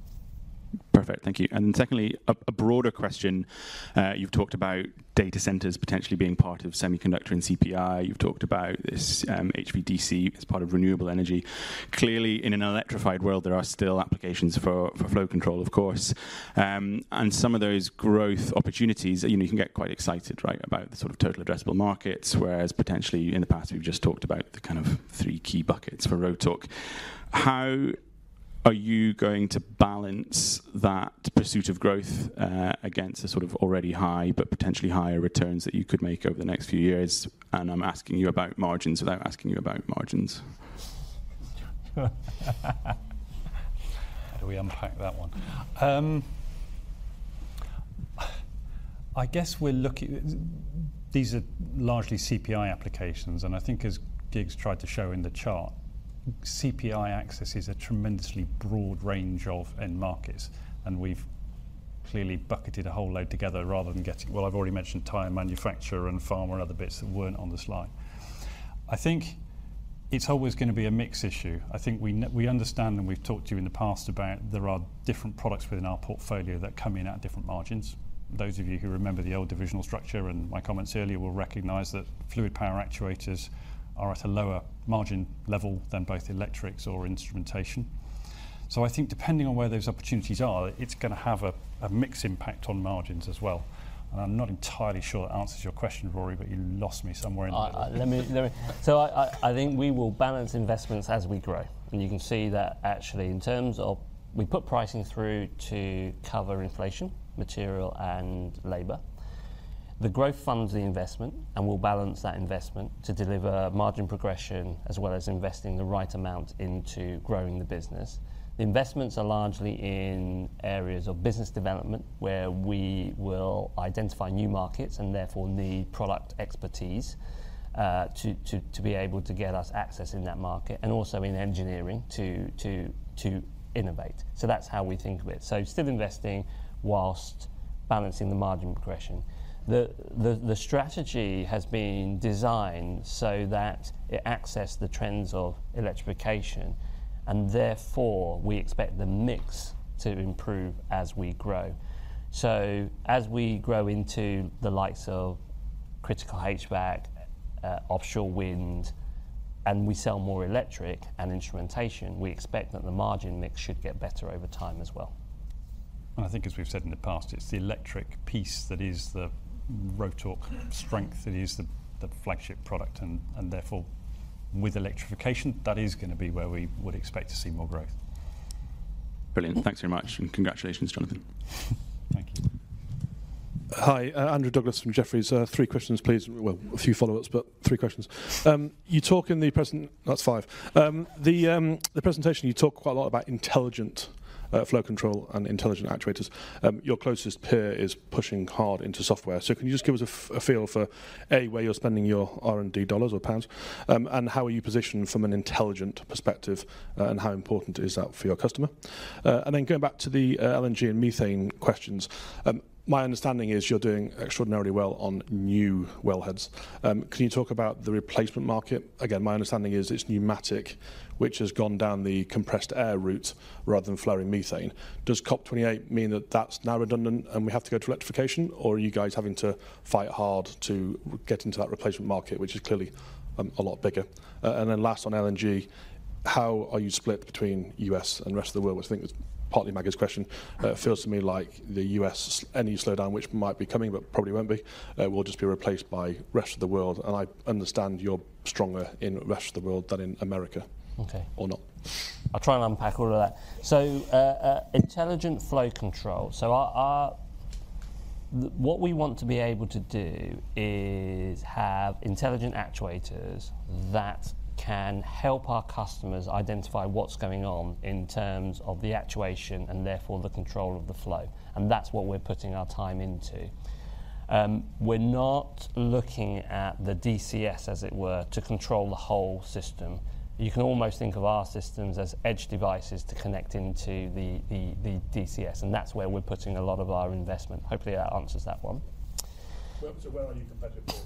Perfect. Thank you. And secondly, a broader question. You've talked about data centers potentially being part of semiconductor and CPI. You've talked about this, HVDC as part of renewable energy. Clearly, in an electrified world, there are still applications for flow control, of course. And some of those growth opportunities, you know, you can get quite excited, right, about the sort of total addressable markets, whereas potentially in the past, we've just talked about the kind of three key buckets for Rotork. How are you going to balance that pursuit of growth against the sort of already high, but potentially higher returns that you could make over the next few years? And I'm asking you about margins without asking you about margins. How do we unpack that one? I guess we're looking—these are largely CPI applications, and I think as Kiet tried to show in the chart, CPI access is a tremendously broad range of end markets, and we've clearly bucketed a whole load together rather than getting... Well, I've already mentioned tire manufacturer and pharma and other bits that weren't on the slide. I think it's always gonna be a mix issue. I think we understand, and we've talked to you in the past about there are different products within our portfolio that come in at different margins. Those of you who remember the old divisional structure and my comments earlier will recognize that fluid power actuators are at a lower margin level than both electrics or instrumentation. So I think depending on where those opportunities are, it's gonna have a mixed impact on margins as well. And I'm not entirely sure that answers your question, Rory, but you lost me somewhere in the middle. So I think we will balance investments as we grow. And you can see that actually in terms of we put pricing through to cover inflation, material, and labor. The growth funds the investment, and we'll balance that investment to deliver margin progression, as well as investing the right amount into growing the business. The investments are largely in areas of business development, where we will identify new markets and therefore need product expertise, to be able to get us access in that market, and also in engineering to innovate. So that's how we think of it. So still investing whilst balancing the margin progression. The strategy has been designed so that it access the trends of electrification, and therefore, we expect the mix to improve as we grow. As we grow into the likes of critical HVAC, offshore wind, and we sell more electric and instrumentation, we expect that the margin mix should get better over time as well. I think as we've said in the past, it's the electric piece that is the Rotork strength, it is the flagship product, and therefore, with electrification, that is gonna be where we would expect to see more growth. Brilliant. Thanks very much, and congratulations, Jonathan. Thank you. Hi, Andrew Douglas from Jefferies. Three questions, please. Well, a few follow-ups, but three questions. You talk in the present... That's five. The presentation, you talk quite a lot about intelligent flow control and intelligent actuators. Your closest peer is pushing hard into software, so can you just give us a feel for, A, where you're spending your R&D dollars or pounds, and how are you positioned from an intelligent perspective, and how important is that for your customer? And then going back to the LNG and methane questions, my understanding is you're doing extraordinarily well on new wellheads. Can you talk about the replacement market? Again, my understanding is it's pneumatic, which has gone down the compressed air route rather than flowing methane. Does COP28 mean that that's now redundant, and we have to go to electrification, or are you guys having to fight hard to get into that replacement market, which is clearly, a lot bigger? And then last on LNG, how are you split between US and the rest of the world? I think it's partly Maggie's question. It feels to me like the US, any slowdown which might be coming, but probably won't be, will just be replaced by rest of the world, and I understand you're stronger in rest of the world than in America. Okay. Or not?... I'll try and unpack all of that. So, intelligent flow control. So our what we want to be able to do is have intelligent actuators that can help our customers identify what's going on in terms of the actuation, and therefore the control of the flow, and that's what we're putting our time into. We're not looking at the DCS, as it were, to control the whole system. You can almost think of our systems as edge devices to connect into the DCS, and that's where we're putting a lot of our investment. Hopefully, that answers that one. So, where are you competitively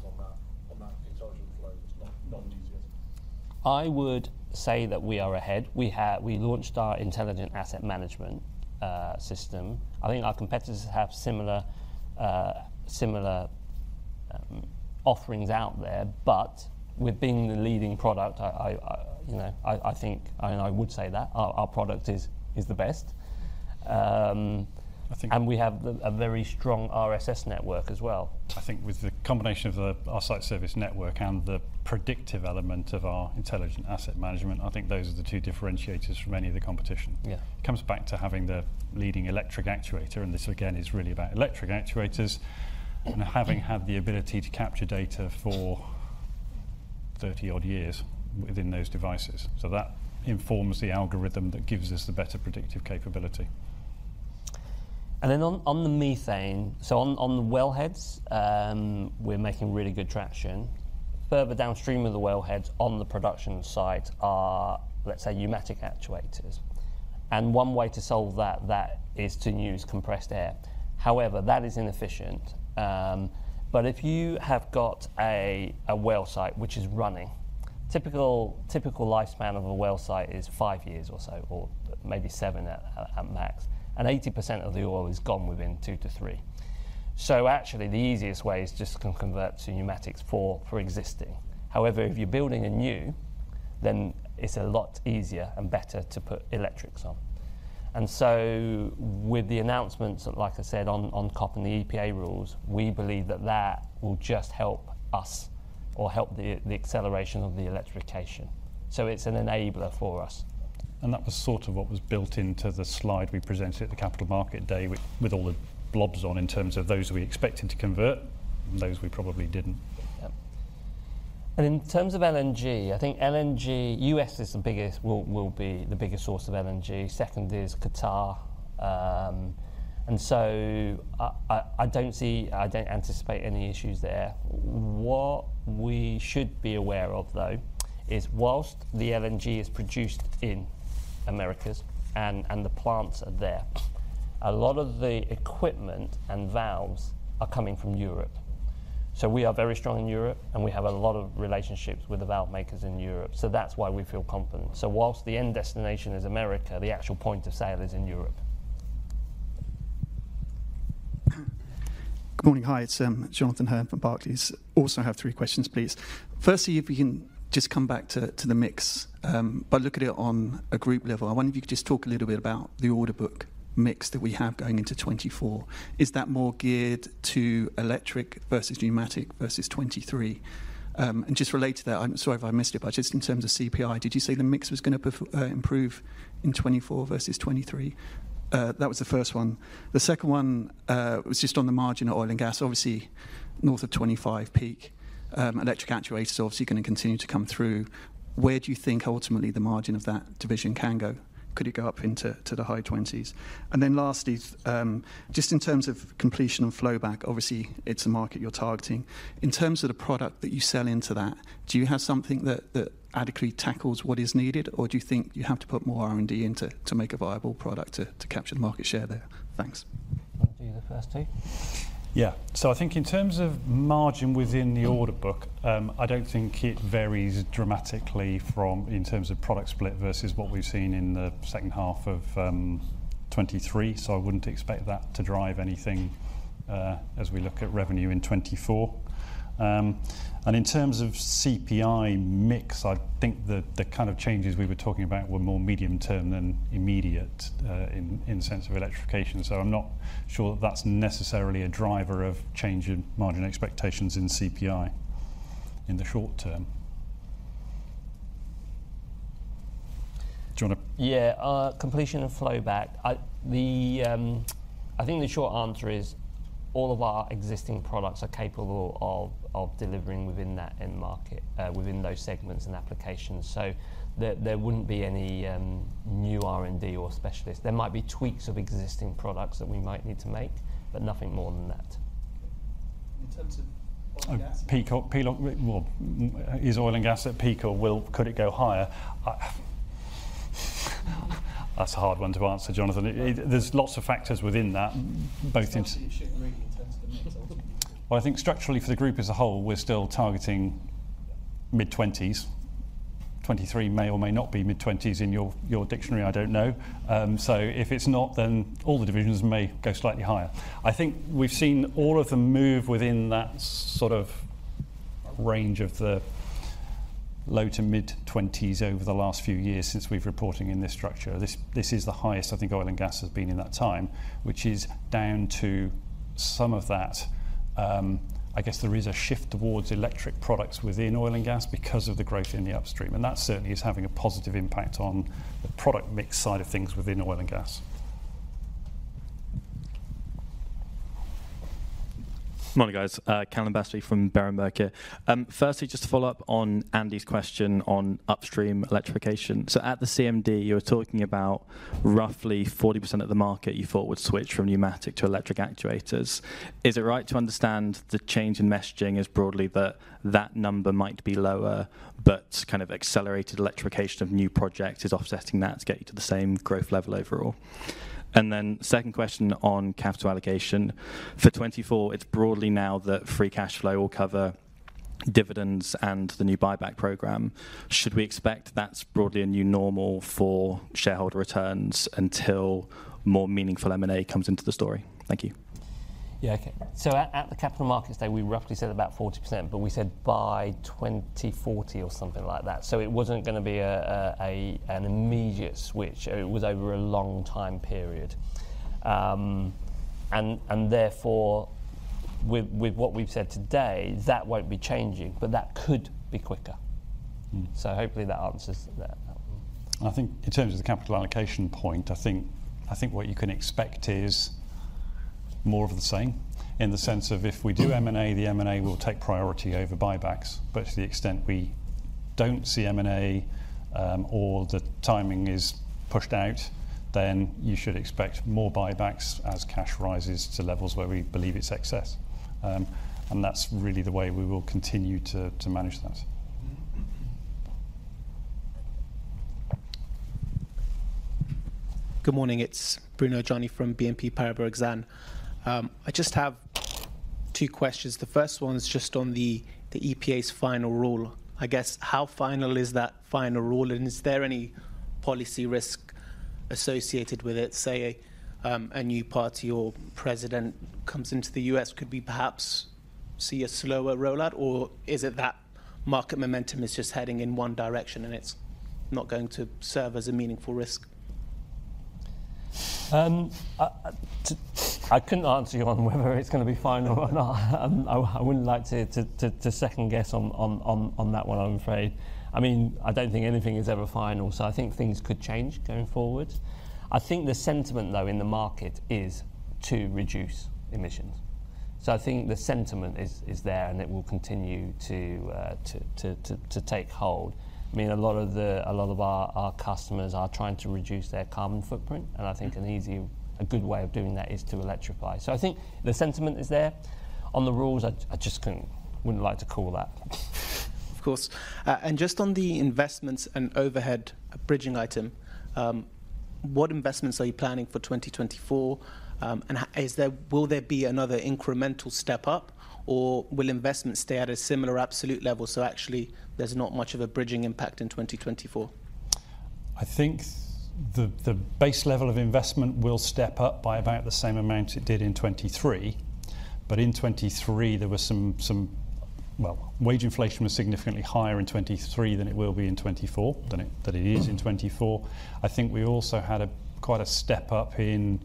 on that intelligent flow, not in DCS? I would say that we are ahead. We have... We launched our intelligent asset management system. I think our competitors have similar offerings out there, but with being the leading product, you know, I think, and I would say that our product is the best. I think-... and we have a very strong RSS network as well. I think with the combination of our site service network and the predictive element of our intelligent asset management, I think those are the two differentiators from any of the competition. Yeah. Comes back to having the leading electric actuator, and this again is really about electric actuators, and having had the ability to capture data for 30-odd years within those devices. So that informs the algorithm that gives us the better predictive capability. And then on the methane, so on the wellheads, we're making really good traction. Further downstream of the wellheads on the production site are, let's say, pneumatic actuators, and one way to solve that is to use compressed air. However, that is inefficient. But if you have got a well site which is running, typical lifespan of a well site is five years or so, or maybe seven at max, and 80% of the oil is gone within two to three. So actually, the easiest way is just to convert to pneumatics for existing. However, if you're building a new, then it's a lot easier and better to put electrics on. So with the announcements, like I said, on COP and the EPA rules, we believe that that will just help us or help the acceleration of the electrification. It's an enabler for us. That was sort of what was built into the slide we presented at the Capital Market Day with all the blobs on in terms of those we expected to convert and those we probably didn't. Yeah. And in terms of LNG, I think LNG, US is the biggest... will be the biggest source of LNG. Second is Qatar. And so I don't see, I don't anticipate any issues there. What we should be aware of, though, is while the LNG is produced in Americas and the plants are there, a lot of the equipment and valves are coming from Europe. So we are very strong in Europe, and we have a lot of relationships with the valve makers in Europe, so that's why we feel confident. So while the end destination is America, the actual point of sale is in Europe. Good morning. Hi, it's Jonathan Hurn from Barclays. Also, I have three questions, please. Firstly, if we can just come back to the mix, but look at it on a group level. I wonder if you could just talk a little bit about the order book mix that we have going into 2024. Is that more geared to electric versus pneumatic versus 2023? And just related to that, I'm sorry if I missed it, but just in terms of CPI, did you say the mix was gonna improve in 2024 versus 2023? That was the first one. The second one was just on the margin of oil and gas. Obviously, north of 25%, electric actuators are obviously gonna continue to come through. Where do you think ultimately the margin of that division can go? Could it go up into, to the high twenties? And then lastly, just in terms of completion and flowback, obviously, it's a market you're targeting. In terms of the product that you sell into that, do you have something that, that adequately tackles what is needed, or do you think you have to put more R&D into to make a viable product to, to capture the market share there? Thanks. Do you want to do the first two? Yeah. So I think in terms of margin within the order book, I don't think it varies dramatically from in terms of product split versus what we've seen in the second half of 2023, so I wouldn't expect that to drive anything, as we look at revenue in 2024. And in terms of CPI mix, I think the kind of changes we were talking about were more medium-term than immediate, in the sense of electrification. So I'm not sure that that's necessarily a driver of change in margin expectations in CPI in the short term. Do you wanna- Yeah, completion and flowback. I think the short answer is all of our existing products are capable of delivering within that end market, within those segments and applications. So there wouldn't be any new R&D or specialist. There might be tweaks of existing products that we might need to make, but nothing more than that. In terms of oil and gas- Peak or peak. Well, is oil and gas at peak or will, could it go higher? That's a hard one to answer, Jonathan. There's lots of factors within that, both in- Structurally, it should really in terms of the mix ultimately. Well, I think structurally for the group as a whole, we're still targeting mid-20s. 23 may or may not be mid-20s in your, your dictionary, I don't know. So if it's not, then all the divisions may go slightly higher. I think we've seen all of them move within that sort of range of the low to mid-20s over the last few years since we've reporting in this structure. This is the highest I think oil and gas has been in that time, which is down to some of that, I guess there is a shift towards electric products within oil and gas because of the growth in the upstream, and that certainly is having a positive impact on the product mix side of things within oil and gas. Morning, guys, Callum Battersby from Berenberg here. Firstly, just to follow up on Andy's question on upstream electrification. So at the CMD, you were talking about roughly 40% of the market you thought would switch from pneumatic to electric actuators. Is it right to understand the change in messaging as broadly that that number might be lower, but kind of accelerated electrification of new projects is offsetting that to get you to the same growth level overall? And then second question on capital allocation. For 2024, it's broadly now that free cash flow will cover dividends and the new buyback program. Should we expect that's broadly a new normal for shareholder returns until more meaningful M&A comes into the story? Thank you. Yeah, okay. So at the Capital Markets Day, we roughly said about 40%, but we said by 2040 or something like that, so it wasn't gonna be an immediate switch. It was over a long time period. And therefore, with what we've said today, that won't be changing, but that could be quicker. Mm. Hopefully that answers that. I think in terms of the capital allocation point, I think, I think what you can expect is more of the same, in the sense of if we do M&A, the M&A will take priority over buybacks. But to the extent we don't see M&A, or the timing is pushed out, then you should expect more buybacks as cash rises to levels where we believe it's excess. And that's really the way we will continue to, to manage that. Good morning, it's Bruno Gyy from BNP Paribas Exane. I just have two questions. The first one is just on the EPA's final rule. I guess, how final is that final rule, and is there any policy risk associated with it? Say, a new party or president comes into the U.S., could we perhaps see a slower rollout, or is it that market momentum is just heading in one direction, and it's not going to serve as a meaningful risk? I couldn't answer you on whether it's gonna be final or not. I wouldn't like to second-guess on that one, I'm afraid. I mean, I don't think anything is ever final, so I think things could change going forward. I think the sentiment, though, in the market is to reduce emissions. So I think the sentiment is there, and it will continue to take hold. I mean, a lot of our customers are trying to reduce their carbon footprint, and I think an easy, a good way of doing that is to electrify. So I think the sentiment is there. On the rules, I just couldn't. Wouldn't like to call that. Of course. And just on the investments and overhead bridging item, what investments are you planning for 2024, and will there be another incremental step up, or will investment stay at a similar absolute level, so actually, there's not much of a bridging impact in 2024? I think the base level of investment will step up by about the same amount it did in 2023. But in 2023, there were some... Well, wage inflation was significantly higher in 2023 than it will be in 2024, than it is in 2024. I think we also had quite a step up in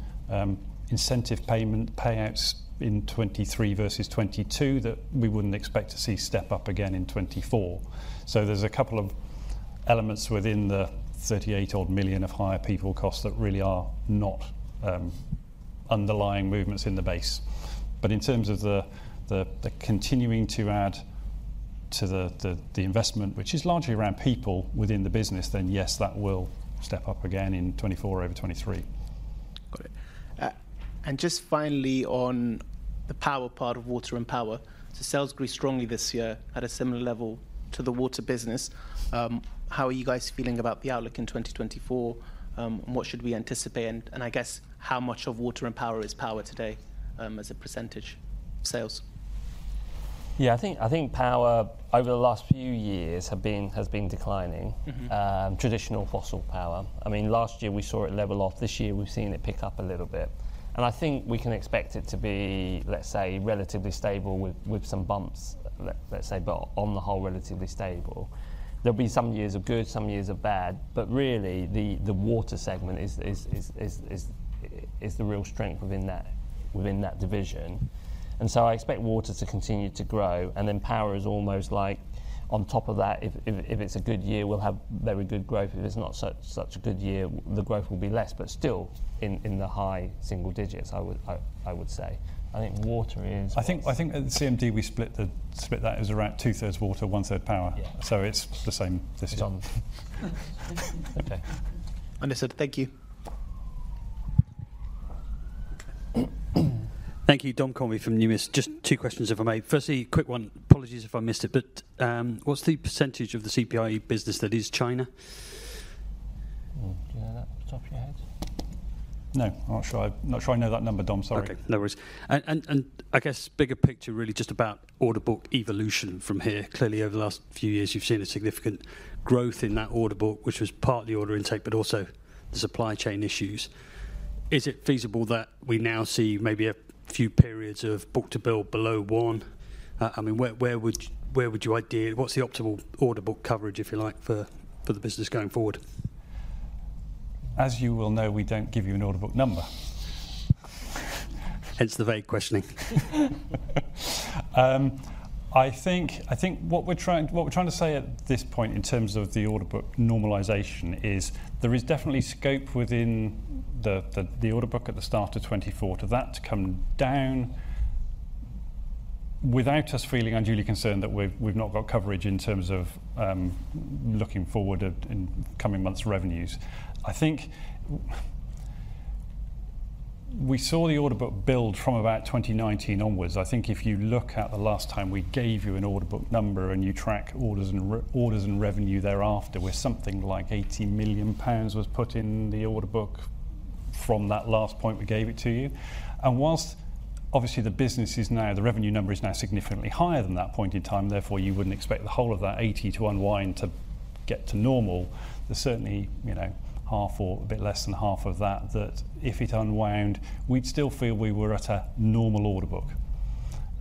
incentive payment payouts in 2023 versus 2022 that we wouldn't expect to see step up again in 2024. So there's a couple of elements within the 38 million of higher people costs that really are not underlying movements in the base. But in terms of the continuing to add to the investment, which is largely around people within the business, then yes, that will step up again in 2024 over 2023. Got it. And just finally on the power part of water and power, so sales grew strongly this year at a similar level to the water business. How are you guys feeling about the outlook in 2024, and what should we anticipate? And, and I guess, how much of water and power is power today, as a percentage of sales? Yeah, I think, I think power, over the last few years, have been, has been declining. Mm-hmm. Traditional fossil power. I mean, last year, we saw it level off. This year, we've seen it pick up a little bit. And I think we can expect it to be, let's say, relatively stable with some bumps, let's say, but on the whole, relatively stable. There'll be some years are good, some years are bad, but really, the water segment is the real strength within that division. And so I expect water to continue to grow, and then power is almost like on top of that. If it's a good year, we'll have very good growth. If it's not such a good year, the growth will be less, but still in the high single digits, I would say. I think water is- I think at the CMD, we split that as around two-thirds water, one-third power. Yeah. It's the same this year. It's on. Okay. Understood. Thank you. Thank you. Dom Conway from Numis. Just two questions, if I may. Firstly, quick one, apologies if I missed it, but, what's the percentage of the CPI business that is China? Do you know that off the top of your head? No. Not sure I know that number, Dom, sorry. Okay, no worries. And I guess bigger picture, really, just about order book evolution from here. Clearly, over the last few years, you've seen a significant growth in that order book, which was partly order intake, but also the supply chain issues. Is it feasible that we now see maybe a few periods of Book-to-bill below one? I mean, where would you ideally... What's the optimal order book coverage, if you like, for the business going forward? ... as you will know, we don't give you an order book number. Hence, the vague questioning. I think, I think what we're trying to say at this point in terms of the order book normalization is there is definitely scope within the order book at the start of 2024 for that to come down without us feeling unduly concerned that we've not got coverage in terms of looking forward at in coming months' revenues. I think we saw the order book build from about 2019 onwards. I think if you look at the last time we gave you an order book number, and you track orders and revenue thereafter, where something like 80 million pounds was put in the order book from that last point we gave it to you. While obviously the business is now, the revenue number is now significantly higher than that point in time, therefore, you wouldn't expect the whole of that 80 to unwind to get to normal. There's certainly, you know, half or a bit less than half of that, that if it unwound, we'd still feel we were at a normal order book.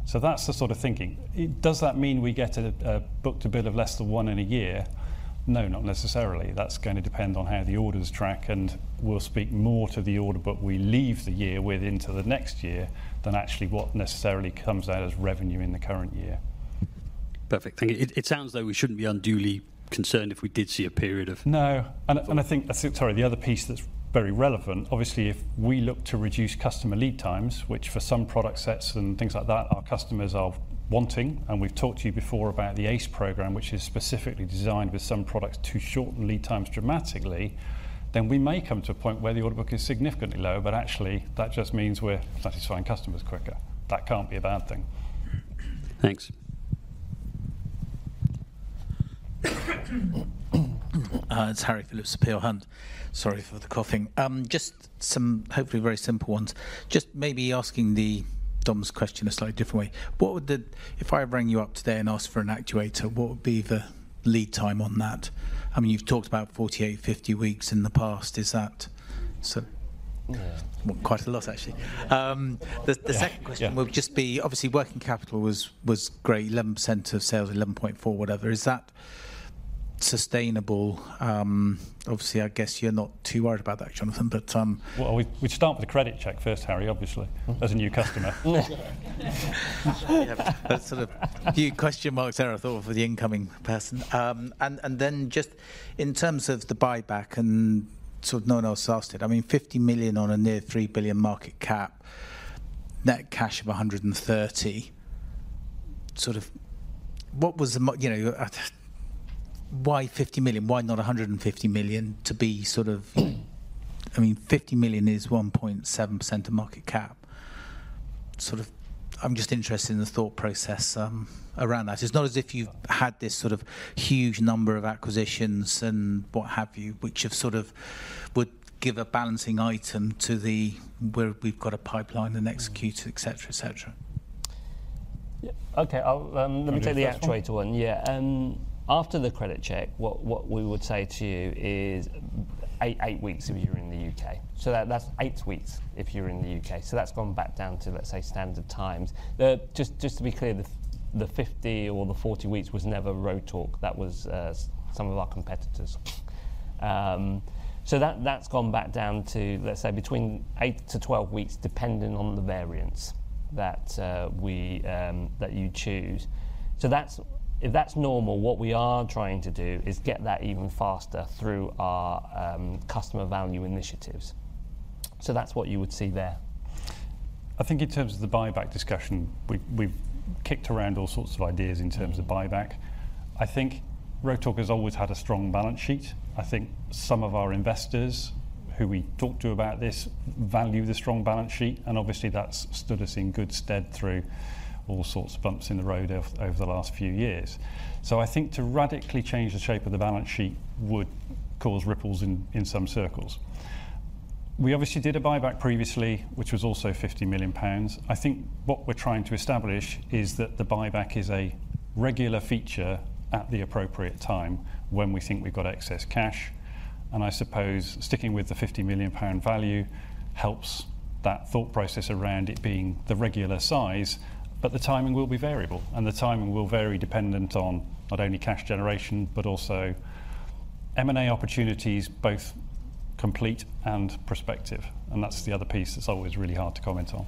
So that's the sort of thinking. Does that mean we get a book-to-bill a bit less than one in a year? No, not necessarily. That's gonna depend on how the orders track, and we'll speak more to the order book we leave the year with into the next year than actually what necessarily comes out as revenue in the current year. Perfect, thank you. It sounds though we shouldn't be unduly concerned if we did see a period of- No, I think... Sorry, the other piece that's very relevant, obviously, if we look to reduce customer lead times, which for some product sets and things like that, our customers are wanting, and we've talked to you before about the ACE program, which is specifically designed with some products to shorten lead times dramatically, then we may come to a point where the order book is significantly lower, but actually, that just means we're satisfying customers quicker. That can't be a bad thing. Thanks. It's Harry Phillips of Peel Hunt. Sorry for the coughing. Just some hopefully very simple ones. Just maybe asking the Dom's question a slightly different way: What would the... If I rang you up today and asked for an actuator, what would be the lead time on that? I mean, you've talked about 48, 50 weeks in the past. Is that still- Yeah. Well, quite a lot, actually. Yeah, yeah. The second question- Yeah... will just be obviously working capital was great, 11% of sales, 11.4, whatever. Is that sustainable? Obviously, I guess you're not too worried about that, Jonathan, but. Well, we'd start with a credit check first, Harry, obviously, as a new customer. Yeah, that's sort of few question marks there, I thought, for the incoming person. And then just in terms of the buyback, and sort of no one else asked it, I mean, 50 million on a near 3 billion market cap, net cash of 130 million, sort of what was the, you know, why 50 million? Why not 150 million to be sort of... I mean, 50 million is 1.7% of market cap. Sort of, I'm just interested in the thought process around that. It's not as if you've had this sort of huge number of acquisitions and what have you, which have sort of would give a balancing item to the, where we've got a pipeline and execute, etc., etc. Yeah. Okay, I'll You take the first one? Let me take the actuator one. Yeah. After the credit check, what we would say to you is 8 weeks if you're in the UK. So that's 8 weeks if you're in the UK, so that's gone back down to, let's say, standard times. Just to be clear, the 50 or the 40 weeks was never Rotork. That was some of our competitors. So that's gone back down to, let's say, 8-12 weeks, depending on the variance that we that you choose. So that's, if that's normal, what we are trying to do is get that even faster through our customer value initiatives. So that's what you would see there. I think in terms of the buyback discussion, we've kicked around all sorts of ideas in terms of buyback. I think Rotork has always had a strong balance sheet. I think some of our investors, who we talked to about this, value the strong balance sheet, and obviously, that's stood us in good stead through all sorts of bumps in the road over the last few years. So I think to radically change the shape of the balance sheet would cause ripples in some circles. We obviously did a buyback previously, which was also 50 million pounds. I think what we're trying to establish is that the buyback is a regular feature at the appropriate time when we think we've got excess cash, and I suppose sticking with the 50 million pound value helps that thought process around it being the regular size. But the timing will be variable, and the timing will vary dependent on not only cash generation, but also M&A opportunities, both complete and prospective, and that's the other piece that's always really hard to comment on.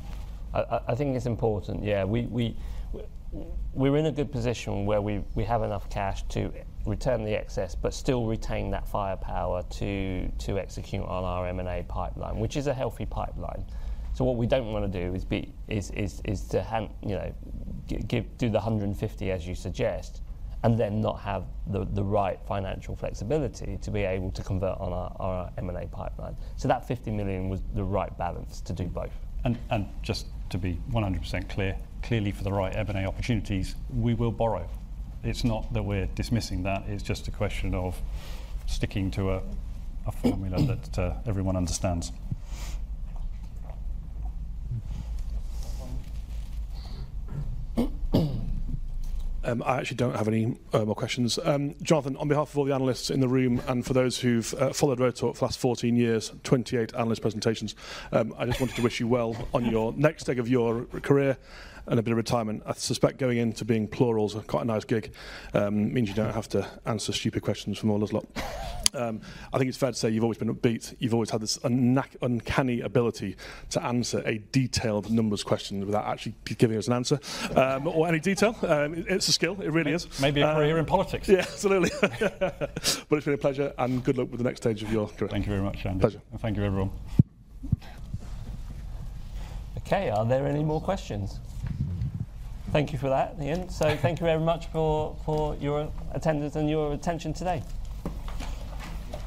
I think it's important, yeah. We're in a good position where we have enough cash to return the excess but still retain that firepower to execute on our M&A pipeline, which is a healthy pipeline. So what we don't wanna do is to have, you know, do the 150 million, as you suggest, and then not have the right financial flexibility to be able to convert on our M&A pipeline. So that 50 million was the right balance to do both. Just to be 100% clear, for the right M&A opportunities, we will borrow. It's not that we're dismissing that. It's just a question of sticking to a formula that everyone understands. I actually don't have any more questions. Jonathan, on behalf of all the analysts in the room and for those who've followed Rotork for the last 14 years, 28 analyst presentations, I just wanted to wish you well on your next leg of your career and a bit of retirement. I suspect going into being plural's quite a nice gig. Means you don't have to answer stupid questions from all us lot. I think it's fair to say you've always been upbeat. You've always had this uncanny ability to answer a detailed numbers question without actually giving us an answer, or any detail. It's a skill. It really is. Maybe a career in politics. Yeah, absolutely. But it's been a pleasure, and good luck with the next stage of your career. Thank you very much, Andrew. Pleasure. Thank you, everyone. Okay, are there any more questions? Thank you for that, Ian. So thank you very much for your attendance and your attention today. Thank you.